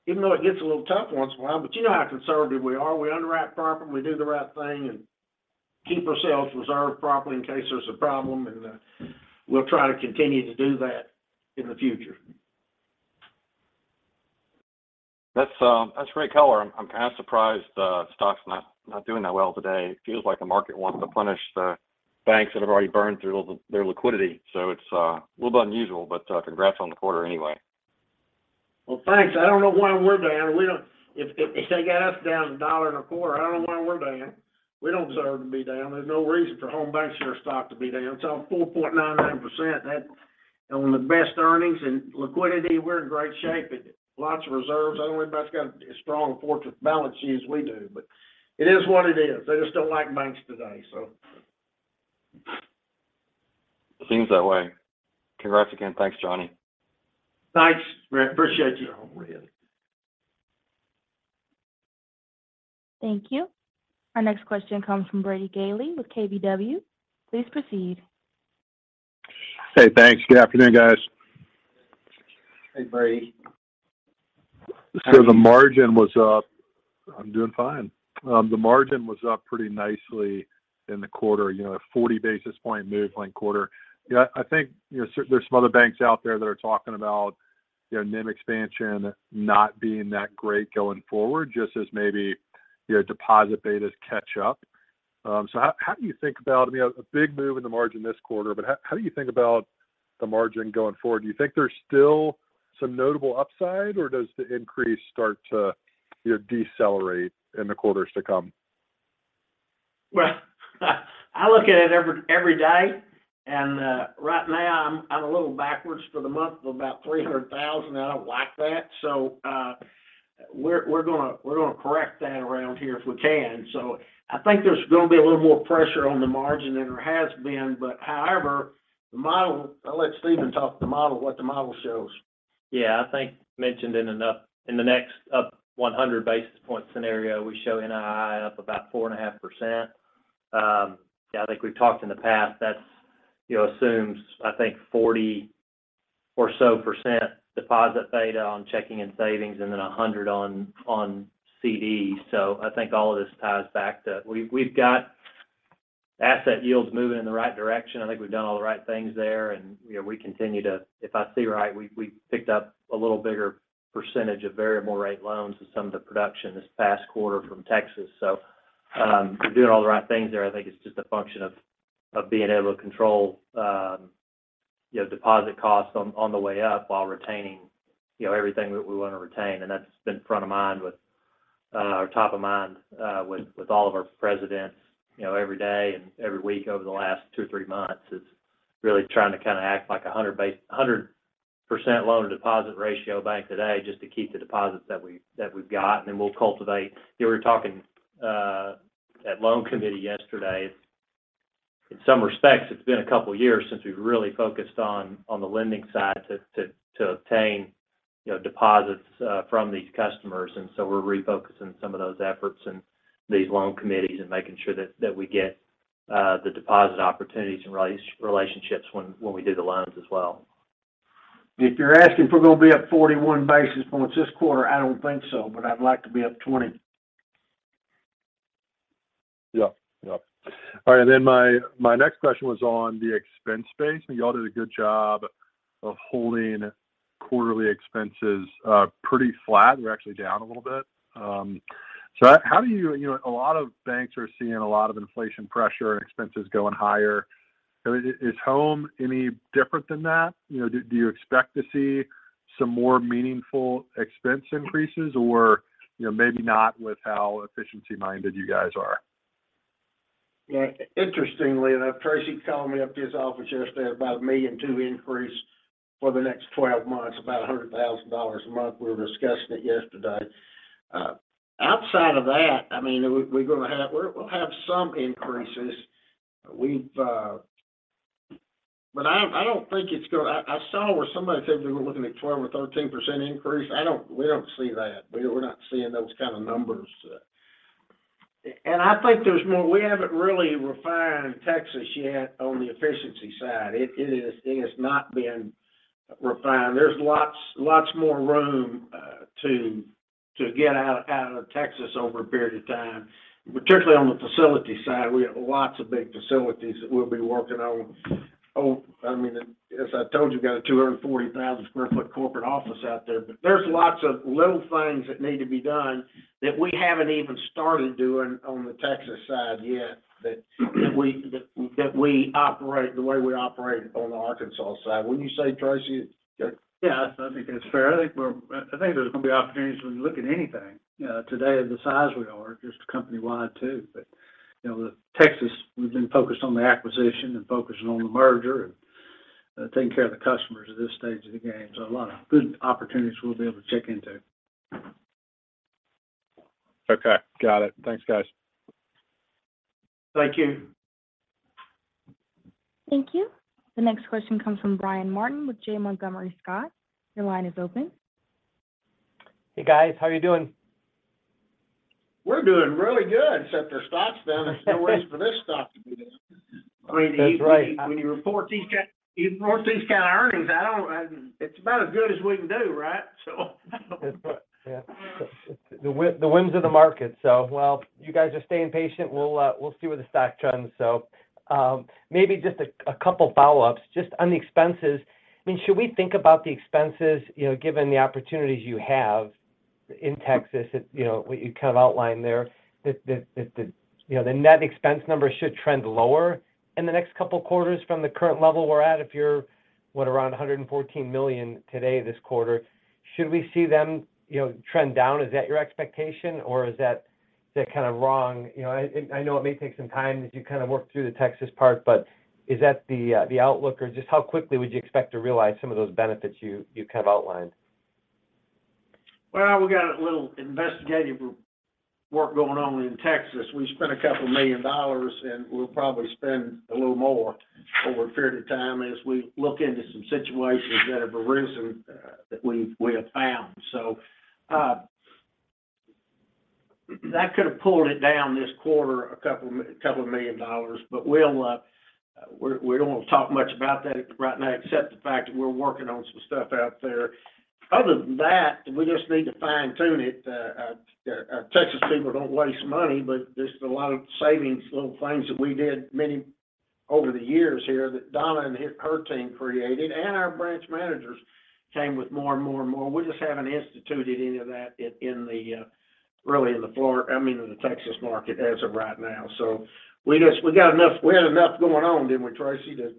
Speaker 3: Even though it gets a little tough once in a while, but you know how conservative we are. We underwrite properly, we do the right thing, and keep ourselves reserved properly in case there's a problem, and we'll try to continue to do that in the future.
Speaker 11: That's great color. I'm kind of surprised the stock's not doing that well today. It feels like the market wants to punish the banks that have already burned through all of their liquidity, so it's a little bit unusual, but congrats on the quarter anyway.
Speaker 3: Well, thanks. I don't know why we're down. If they got us down $1.25, I don't know why we're down. We don't deserve to be down. There's no reason for Home BancShares stock to be down. It's on 4.99%. That on the best earnings and liquidity, we're in great shape and lots of reserves. I don't know anybody that's got as strong a fortress balance sheet as we do, but it is what it is. They just don't like banks today.
Speaker 11: It seems that way. Congrats again. Thanks, Johnny.
Speaker 3: Thanks, Brett. Appreciate you.
Speaker 1: Thank you. Our next question comes from Brady Gailey with KBW. Please proceed.
Speaker 12: Hey, thanks. Good afternoon, guys.
Speaker 3: Hey, Brady.
Speaker 12: The margin was up— I'm doing fine. The margin was up pretty nicely in the quarter, you know, a 40 basis point move quarter-over-quarter. You know, I think, you know, there's some other banks out there that are talking about, you know, NIM expansion not being that great going forward, just as maybe your deposit betas catch up. How do you think about, I mean, a big move in the margin this quarter, but how do you think about the margin going forward? Do you think there's still some notable upside, or does the increase start to, you know, decelerate in the quarters to come?
Speaker 3: Well, I look at it every day, and right now I'm a little backwards for the month of about $300,000. I don't like that. We're gonna correct that around here if we can. I think there's going to be a little more pressure on the margin than there has been. But however, the model. I'll let Stephen talk to the model, what the model shows.
Speaker 4: Yeah, I think we've mentioned it enough in the next up 100 basis points scenario, we show NII up about 4.5%. Yeah, I think we've talked in the past, that's, you know, assumes, I think 40% or so deposit beta on checking and savings and then 100% on CD. So I think all of this ties back to we've got asset yields moving in the right direction. I think we've done all the right things there. You know, we continue to. If I see right, we picked up a little bigger percentage of variable rate loans with some of the production this past quarter from Texas. So, we're doing all the right things there. I think it's just a function of being able to control, you know, deposit costs on the way up while retaining, you know, everything that we want to retain. That's been top of mind with all of our presidents, you know, every day and every week over the last two or three months, really trying to kind of act like a 100% loan-to-deposit ratio bank today just to keep the deposits that we've got, and then we'll cultivate. You know, we were talking at loan committee yesterday. In some respects, it's been a couple years since we've really focused on the lending side to obtain, you know, deposits from these customers. We're refocusing some of those efforts in these loan committees and making sure that we get the deposit opportunities and relationships when we do the loans as well.
Speaker 3: If you're asking if we're gonna be up 41 basis points this quarter, I don't think so, but I'd like to be up 20 basis points.
Speaker 12: Yeah. Yeah. All right. My next question was on the expense base. I mean, y'all did a good job of holding quarterly expenses pretty flat, or actually down a little bit. So how do you. You know, a lot of banks are seeing a lot of inflation pressure and expenses going higher. I mean, is Home any different than that? You know, do you expect to see some more meaningful expense increases or, you know, maybe not with how efficiency-minded you guys are?
Speaker 3: Yeah. Interestingly enough, Tracy called me up to his office yesterday about a $1.2 million increase for the next 12 months, about $100,000 a month. We were discussing it yesterday. Outside of that, I mean, we'll have some increases. But I don't think it's gonna. I saw where somebody said we were looking at 12% or 13% increase. We don't see that. We're not seeing those kind of numbers. I think we haven't really refined Texas yet on the efficiency side. It has not been refined. There's lots more room to get out of Texas over a period of time. Particularly on the facility side, we have lots of big facilities that we'll be working on. Oh, I mean, as I told you, we got a 240,000 sq ft corporate office out there. But there's lots of little things that need to be done that we haven't even started doing on the Texas side yet that we operate the way we operate on the Arkansas side. Wouldn't you say, Tracy?
Speaker 6: Yeah. I think that's fair. I think there's gonna be opportunities when you look at anything, you know, today of the size we are, just company-wide too. But, you know, the Texas, we've been focused on the acquisition and focusing on the merger and taking care of the customers at this stage of the game. A lot of good opportunities we'll be able to check into.
Speaker 12: Okay. Got it. Thanks, guys.
Speaker 3: Thank you.
Speaker 1: Thank you. The next question comes from Brian Martin with Janney Montgomery Scott. Your line is open.
Speaker 13: Hey, guys. How are you doing?
Speaker 3: We're doing really good, except our stock's down. There's no reason for this stock to be down.
Speaker 13: That's right.
Speaker 3: I mean, when you report these kind of earnings, I don't. It's about as good as we can do, right?
Speaker 13: That's right. Yeah. The whims of the market. While you guys are staying patient, we'll see where the stock trends. Maybe just a couple follow-ups. Just on the expenses, I mean, should we think about the expenses, you know, given the opportunities you have in Texas that, you know, you kind of outlined there, that you know, the net expense numbers should trend lower in the next couple quarters from the current level we're at if you're, what, around $114 million today this quarter? Should we see them, you know, trend down? Is that your expectation, or is that kind of wrong? You know, I know it may take some time as you kind of work through the Texas part, but is that the outlook? Just how quickly would you expect to realize some of those benefits you kind of outlined?
Speaker 3: Well, we got a little investigative work going on in Texas. We spent a couple million of dollars, and we'll probably spend a little more over a period of time as we look into some situations that have arisen that we've found. That could have pulled it down this quarter a couple million of dollars. We don't want to talk much about that right now, except the fact that we're working on some stuff out there. Other than that, we just need to fine-tune it. Texas people don't waste money, but just a lot of savings, little things that we did many over the years here that Donna and her team created, and our branch managers came with more and more and more. We just haven't instituted any of that in the really, I mean, in the Texas market as of right now. We had enough going on, didn't we, Tracy, to—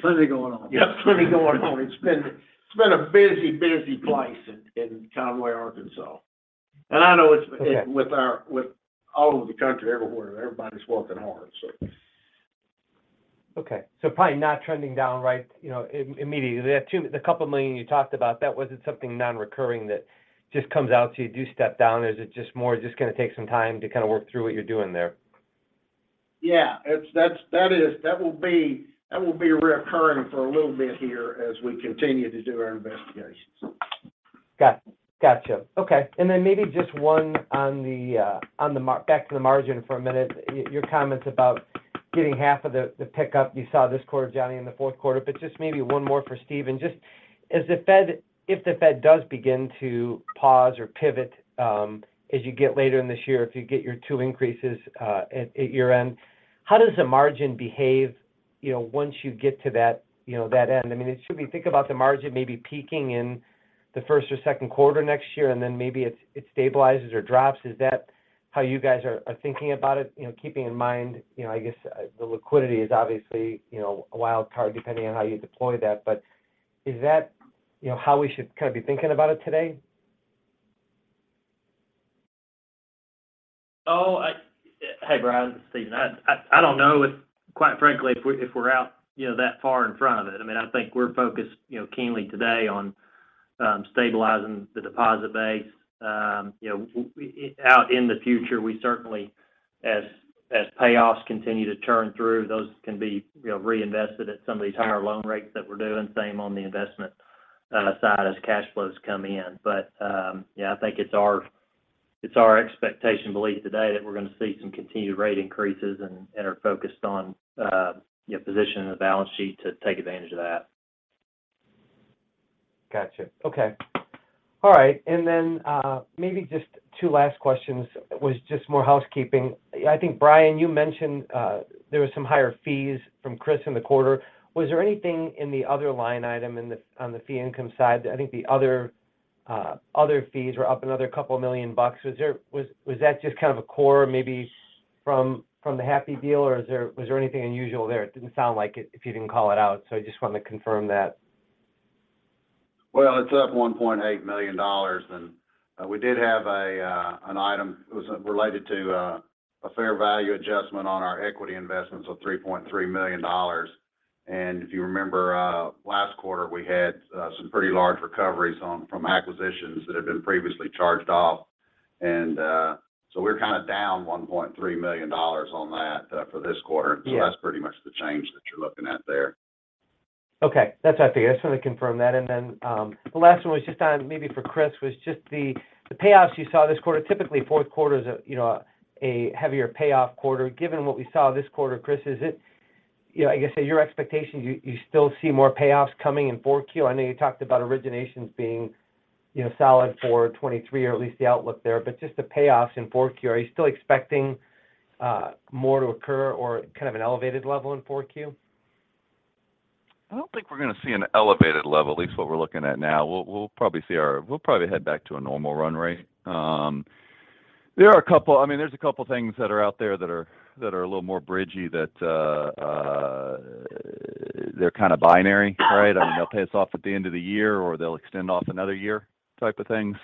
Speaker 6: Plenty going on.
Speaker 3: Yeah. Plenty going on. It's been a busy place in Conway, Arkansas. I know with all over the country, everywhere. Everybody's working hard.
Speaker 13: Okay. Probably not trending down right, you know, immediately. The couple million you talked about, that wasn't something non-recurring that just comes out, so you do step down, or is it just more gonna take some time to kinda work through what you're doing there?
Speaker 3: Yeah. That's that is. That will be recurring for a little bit here as we continue to do our investigations.
Speaker 13: Gotcha. Okay. Then maybe just one on the margin, back to the margin for a minute. Your comments about getting half of the pickup you saw this quarter, Johnny, in the fourth quarter. Just maybe one more for Steve. Just as the Fed, if the Fed does begin to pause or pivot, as you get later in this year, if you get your two increases at year-end, how does the margin behave, you know, once you get to that, you know, that end? I mean, it should be, think about the margin maybe peaking in the first or second quarter next year, and then maybe it stabilizes or drops. Is that how you guys are thinking about it? You know, keeping in mind, you know, I guess the liquidity is obviously, you know, a wild card depending on how you deploy that. Is that, you know, how we should kind of be thinking about it today?
Speaker 4: Hey, Brian, this is Stephen. I don't know if, quite frankly, if we're out, you know, that far in front of it. I mean, I think we're focused, you know, keenly today on stabilizing the deposit base. You know, out in the future, we certainly as payoffs continue to turn through, those can be, you know, reinvested at some of these higher loan rates that we're doing. Same on the investment side as cash flows come in. Yeah, I think it's our expectation belief today that we're gonna see some continued rate increases and are focused on, you know, positioning the balance sheet to take advantage of that.
Speaker 13: Gotcha. Okay. All right. Maybe just two last questions was just more housekeeping. I think, Brian, you mentioned, there was some higher fees from Chris in the quarter. Was there anything in the other line item on the fee income side? I think the other fees were up another couple million bucks. Was that just kind of a core maybe from the Happy deal, or was there anything unusual there? It didn't sound like it if you didn't call it out, so I just wanted to confirm that.
Speaker 5: Well, it's up $1.8 million. We did have an item. It was related to a fair value adjustment on our equity investments of $3.3 million. If you remember, last quarter, we had some pretty large recoveries from acquisitions that had been previously charged off. We're kind of down $1.3 million on that for this quarter.
Speaker 13: Yeah.
Speaker 5: That's pretty much the change that you're looking at there.
Speaker 13: Okay. That's what I figured. I just wanted to confirm that. The last one was just maybe for Chris, the payoffs you saw this quarter. Typically, fourth quarter is a, you know, heavier payoff quarter. Given what we saw this quarter, Chris, is it you know, I guess, say, your expectations. You still see more payoffs coming in 4Q. I know you talked about originations being, you know, solid for 2023, or at least the outlook there, but just the payoffs in 4Q. Are you still expecting more to occur or kind of an elevated level in 4Q?
Speaker 8: I don't think we're gonna see an elevated level, at least what we're looking at now. We'll probably head back to a normal run rate. There's a couple things that are out there that are a little more bridgey that they're kind of binary, right? I mean, they'll pay us off at the end of the year, or they'll extend for another year type of thing.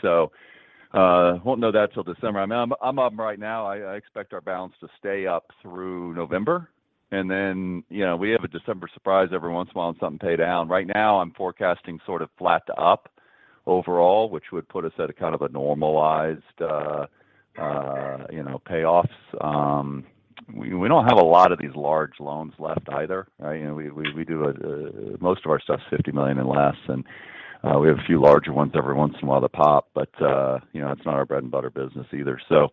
Speaker 8: Won't know that till December. I mean, I'm up right now. I expect our balance to stay up through November. You know, we have a December surprise every once in a while and something pay down. Right now, I'm forecasting sort of flat to up overall, which would put us at kind of a normalized, you know, payoffs. We don't have a lot of these large loans left either, right? You know, we do most of our stuff's $50 million and less, and we have a few larger ones every once in a while that pop. But you know, it's not our bread and butter business either. So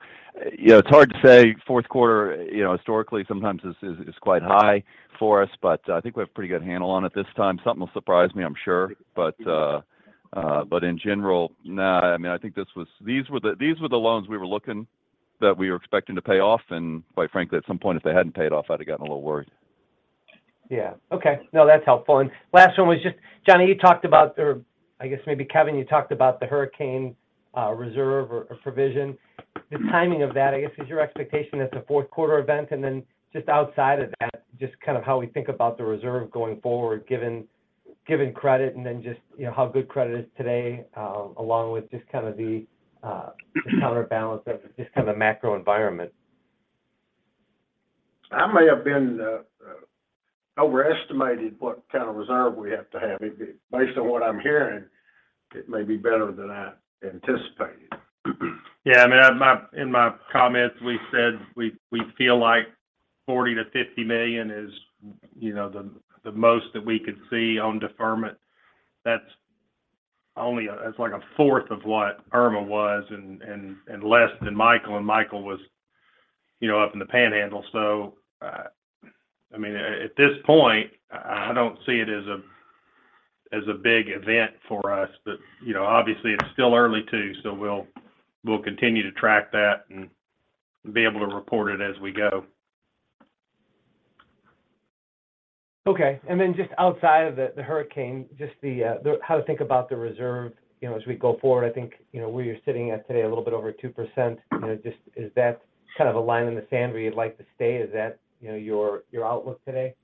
Speaker 8: you know, it's hard to say. Fourth quarter, you know, historically sometimes is quite high for us, but I think we have a pretty good handle on it this time. Something will surprise me, I'm sure. But in general, nah, I mean, I think this was. These were the loans we were looking, that we were expecting to pay off. And quite frankly, at some point, if they hadn't paid off, I'd have gotten a little worried.
Speaker 13: Yeah. Okay. No, that's helpful. Last one was just, or I guess maybe, Kevin, you talked about the hurricane reserve or provision. The timing of that, I guess, is your expectation that's a fourth quarter event. Then just outside of that, just kind of how we think about the reserve going forward, given credit and then just, you know, how good credit is today, along with just kind of the counterbalance of just kind of the macro environment.
Speaker 3: I may have overestimated what kind of reserve we have to have. Based on what I'm hearing, it may be better than I anticipated.
Speaker 7: Yeah. I mean, in my comments, we said we feel like $40 million-$50 million is the most that we could see on deferment. That's only like a fourth of what Irma was and less than Michael, and Michael was up in the Panhandle. I mean, at this point, I don't see it as a big event for us. You know, obviously it's still early too, so we'll continue to track that and be able to report it as we go.
Speaker 13: Okay. Just outside of the hurricane, just how to think about the reserve, you know, as we go forward. I think, you know, where you're sitting at today, a little bit over 2%. You know, just is that kind of a line in the sand where you'd like to stay? Is that, you know, your outlook today?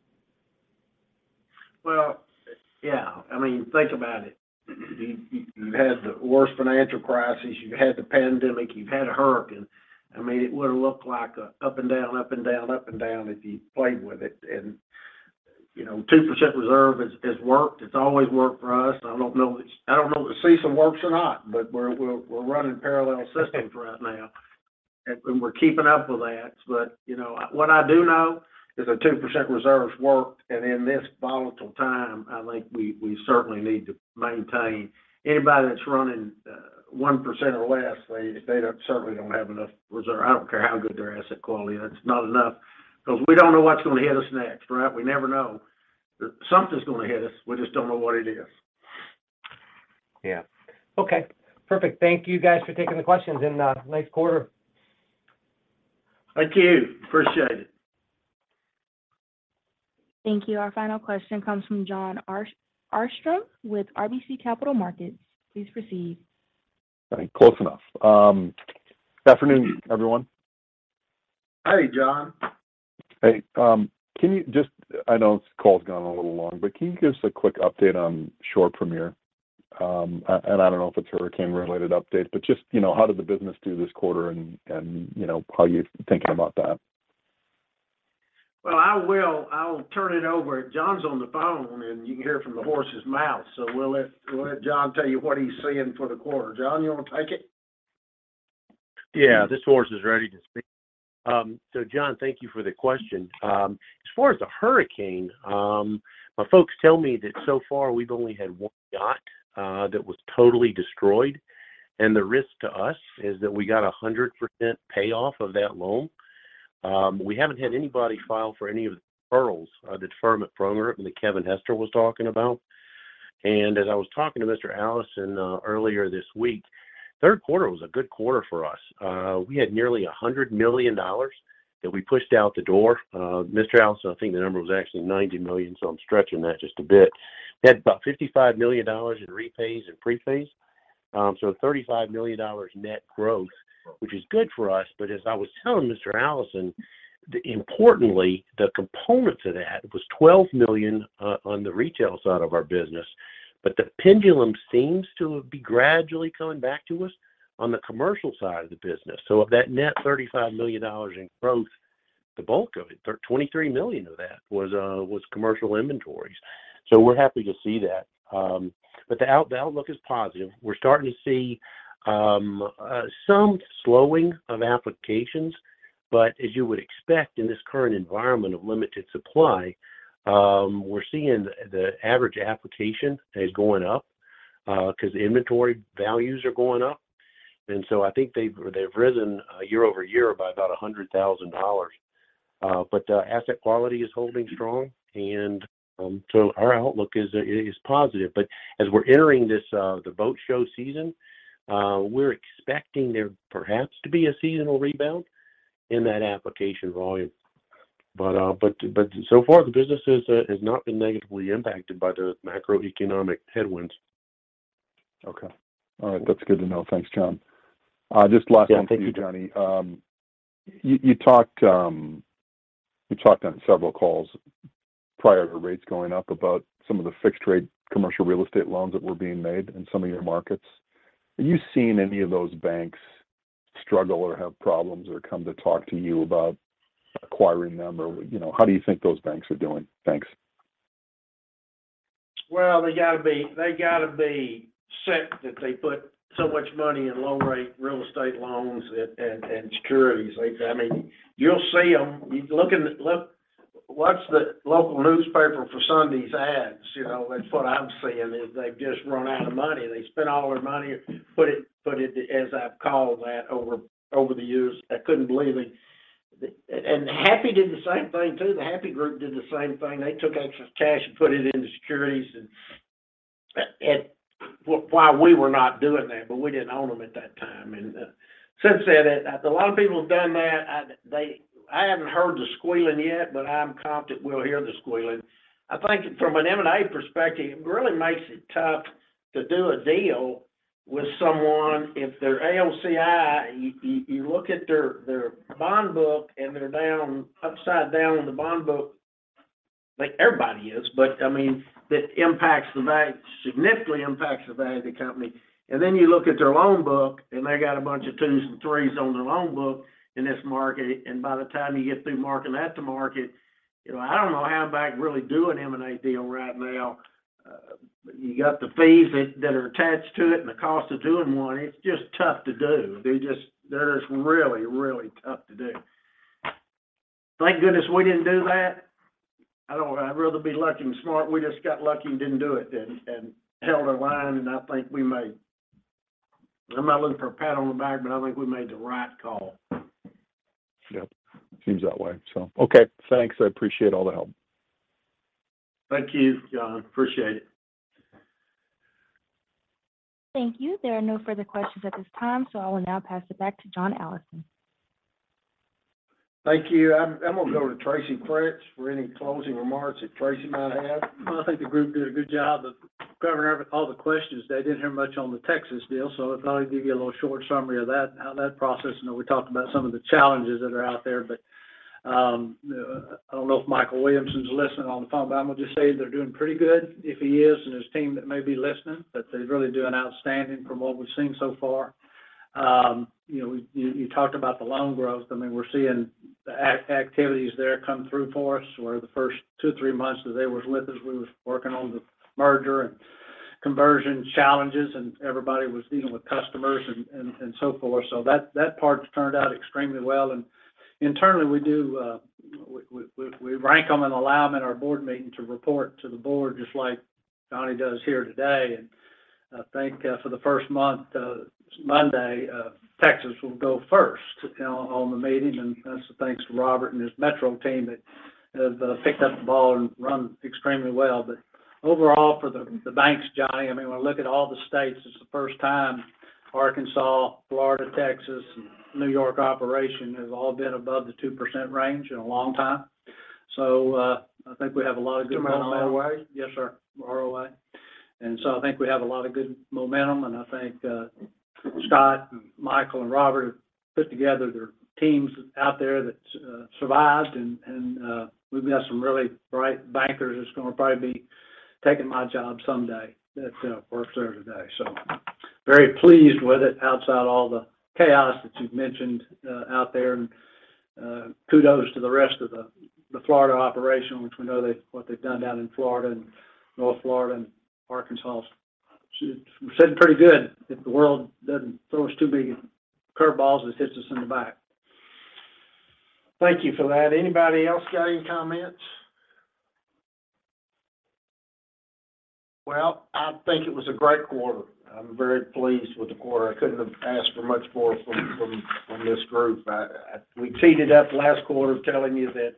Speaker 3: Well, yeah. I mean, think about it. You've had the worst financial crisis, you've had the pandemic, you've had a hurricane. I mean, it would have looked like a up and down, up and down, up and down if you played with it. You know, 2% reserve has worked. It's always worked for us. I don't know if the CECL works or not, but we're running parallel systems right now, and we're keeping up with that. You know, what I do know is that 2% reserves worked, and in this volatile time, I think we certainly need to maintain. Anybody that's running 1% or less, they certainly don't have enough reserve. I don't care how good their asset quality is, it's not enough because we don't know what's going to hit us next, right? We never know. Something's going to hit us. We just don't know what it is.
Speaker 13: Yeah. Okay, perfect. Thank you guys for taking the questions in late quarter.
Speaker 3: Thank you. Appreciate it.
Speaker 1: Thank you. Our final question comes from Jon Arfstrom with RBC Capital Markets. Please proceed.
Speaker 14: Close enough. Good afternoon, everyone.
Speaker 3: Hey, Jon.
Speaker 14: Hey, can you just, I know this call's gone a little long, but can you give us a quick update on Shore Premier? I don't know if it's hurricane-related update, but just, you know, how did the business do this quarter and, you know, how are you thinking about that?
Speaker 3: Well, I will. I'll turn it over. John's on the phone, and you can hear from the horse's mouth. We'll let John tell you what he's seeing for the quarter. John, you wanna take it?
Speaker 15: Yeah. This horse is ready to speak. Jon, thank you for the question. As far as the hurricane, my folks tell me that so far we've only had one yacht that was totally destroyed, and the risk to us is that we got 100% payoff of that loan. We haven't had anybody file for any of the deferrals, the deferment program that Kevin Hester was talking about. As I was talking to Mr. Allison earlier this week, third quarter was a good quarter for us. We had nearly $100 million that we pushed out the door. Mr. Allison, I think the number was actually $90 million, so I'm stretching that just a bit. We had about $55 million in repays and prepays, so $35 million net growth, which is good for us. As I was telling Mr. Allison, importantly, the component to that was $12 million on the retail side of our business. The pendulum seems to be gradually coming back to us on the commercial side of the business. Of that net $35 million in growth, the bulk of it, $23 million of that was commercial inventories. We're happy to see that. The outlook is positive. We're starting to see some slowing of applications, but as you would expect in this current environment of limited supply, we're seeing the average application is going up, 'cause inventory values are going up. I think they've risen year-over-year by about $100,000. Asset quality is holding strong, and our outlook is positive. As we're entering this the boat show season, we're expecting there perhaps to be a seasonal rebound in that application volume. So far the business has not been negatively impacted by the macroeconomic headwinds.
Speaker 14: Okay. All right. That's good to know. Thanks, John. Just last one for you, Johnny.
Speaker 15: Yeah. Thank you.
Speaker 14: You talked on several calls prior to rates going up about some of the fixed rate commercial real estate loans that were being made in some of your markets. Have you seen any of those banks struggle or have problems or come to talk to you about acquiring them or, you know, how do you think those banks are doing? Thanks.
Speaker 3: Well, they gotta be shit that they put so much money in low-rate real estate loans and securities. Like, I mean, you'll see 'em. Look, watch the local newspaper for Sunday's ads, you know? That's what I'm seeing, is they've just run out of money. They spent all their money, put it, as I've called that over the years. I couldn't believe it. Happy did the same thing too. The Happy group did the same thing. They took extra cash and put it into securities and why we were not doing that, but we didn't own them at that time. Since then, a lot of people have done that. I haven't heard the squealing yet, but I'm confident we'll hear the squealing. I think from an M&A perspective, it really makes it tough to do a deal with someone if they're AOCI. You look at their bond book, and they're down, upside down on the bond book like everybody is. But I mean, that impacts the value, significantly impacts the value of the company. Then you look at their loan book, and they got a bunch of twos and threes on their loan book in this market, and by the time you get through marking that to market, you know, I don't know how a bank really do an M&A deal right now. You got the fees that are attached to it and the cost of doing one. It's just tough to do. They're just really, really tough to do. Thank goodness we didn't do that. I'd rather be lucky than smart. We just got lucky and didn't do it and held our line, and I think we made. I'm not looking for a pat on the back, but I think we made the right call.
Speaker 14: Yep. Seems that way. Okay. Thanks. I appreciate all the help.
Speaker 3: Thank you, Jon. Appreciate it.
Speaker 1: Thank you. There are no further questions at this time, so I will now pass it back to John Allison.
Speaker 3: Thank you. I'm gonna go to Tracy French for any closing remarks that Tracy might have.
Speaker 6: Well, I think the group did a good job of covering all the questions. They didn't hear much on the Texas deal, so I thought I'd give you a little short summary of that, how that process. I know we talked about some of the challenges that are out there, but I don't know if Mikel Williamson's listening on the phone, but I'm gonna just say they're doing pretty good, if he is, and his team that may be listening, that they're really doing outstanding from what we've seen so far. You know, you talked about the loan growth. I mean, we're seeing the activities there come through for us, where the first two, three months that they was with us, we was working on the merger and conversion challenges, and everybody was dealing with customers and so forth. That part's turned out extremely well. Internally, we rank them and allow them at our board meeting to report to the board just like Johnny does here today. I think for the first month, Monday, Texas will go first, you know, on the meeting, and that's thanks to Robert and his metro team that has picked up the ball and run extremely well. Overall, for the banks, Johnny, I mean, when we look at all the states, it's the first time Arkansas, Florida, Texas, and New York operation has all been above the 2% range in a long time. I think we have a lot of good momentum, and I think, Scott and Mikel and Robert have put together their teams out there that survived, and we've got some really bright bankers that's gonna probably be taking my job someday that works there today. Very pleased with it outside all the chaos that you've mentioned out there. Kudos to the rest of the Florida operation, which we know what they've done down in Florida and North Florida and Arkansas. We're sitting pretty good if the world doesn't throw us too big of curve balls that hits us in the back.
Speaker 3: Thank you for that. Anybody else got any comments? Well, I think it was a great quarter. I'm very pleased with the quarter. I couldn't have asked for much more from this group. We teed it up last quarter telling you that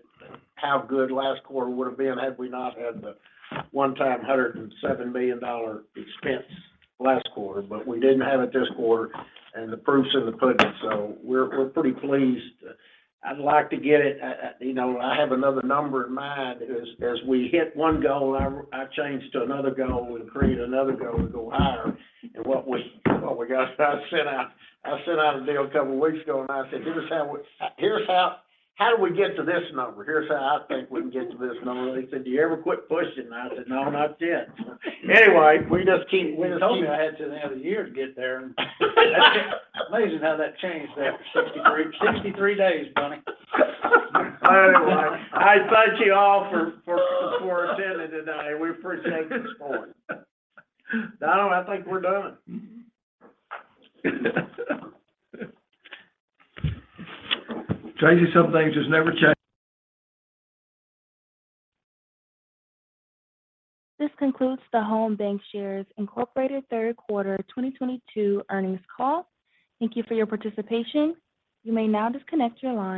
Speaker 3: how good last quarter would've been had we not had the one-time $107 million expense last quarter, but we didn't have it this quarter, and the proof's in the pudding, so we're pretty pleased. I'd like to get it, you know, I have another number in mind as we hit one goal, I change to another goal. We create another goal. We go higher. What we got, I sent out a deal a couple weeks ago, and I said, "Here's how we get to this number? Here's how I think we can get to this number." They said, "Do you ever quit pushing?" I said, "No, not yet." Anyway, we just keep. You told me I had until the end of the year to get there. That's amazing how that changed after 63 days, Johnny. Anyway, I thank you all for attending tonight. We appreciate the support. Donna, I think we're done. Tracy, some things just never change.
Speaker 1: This concludes the Home BancShares, Inc Third Quarter 2022 Earnings Call. Thank you for your participation. You may now disconnect your line.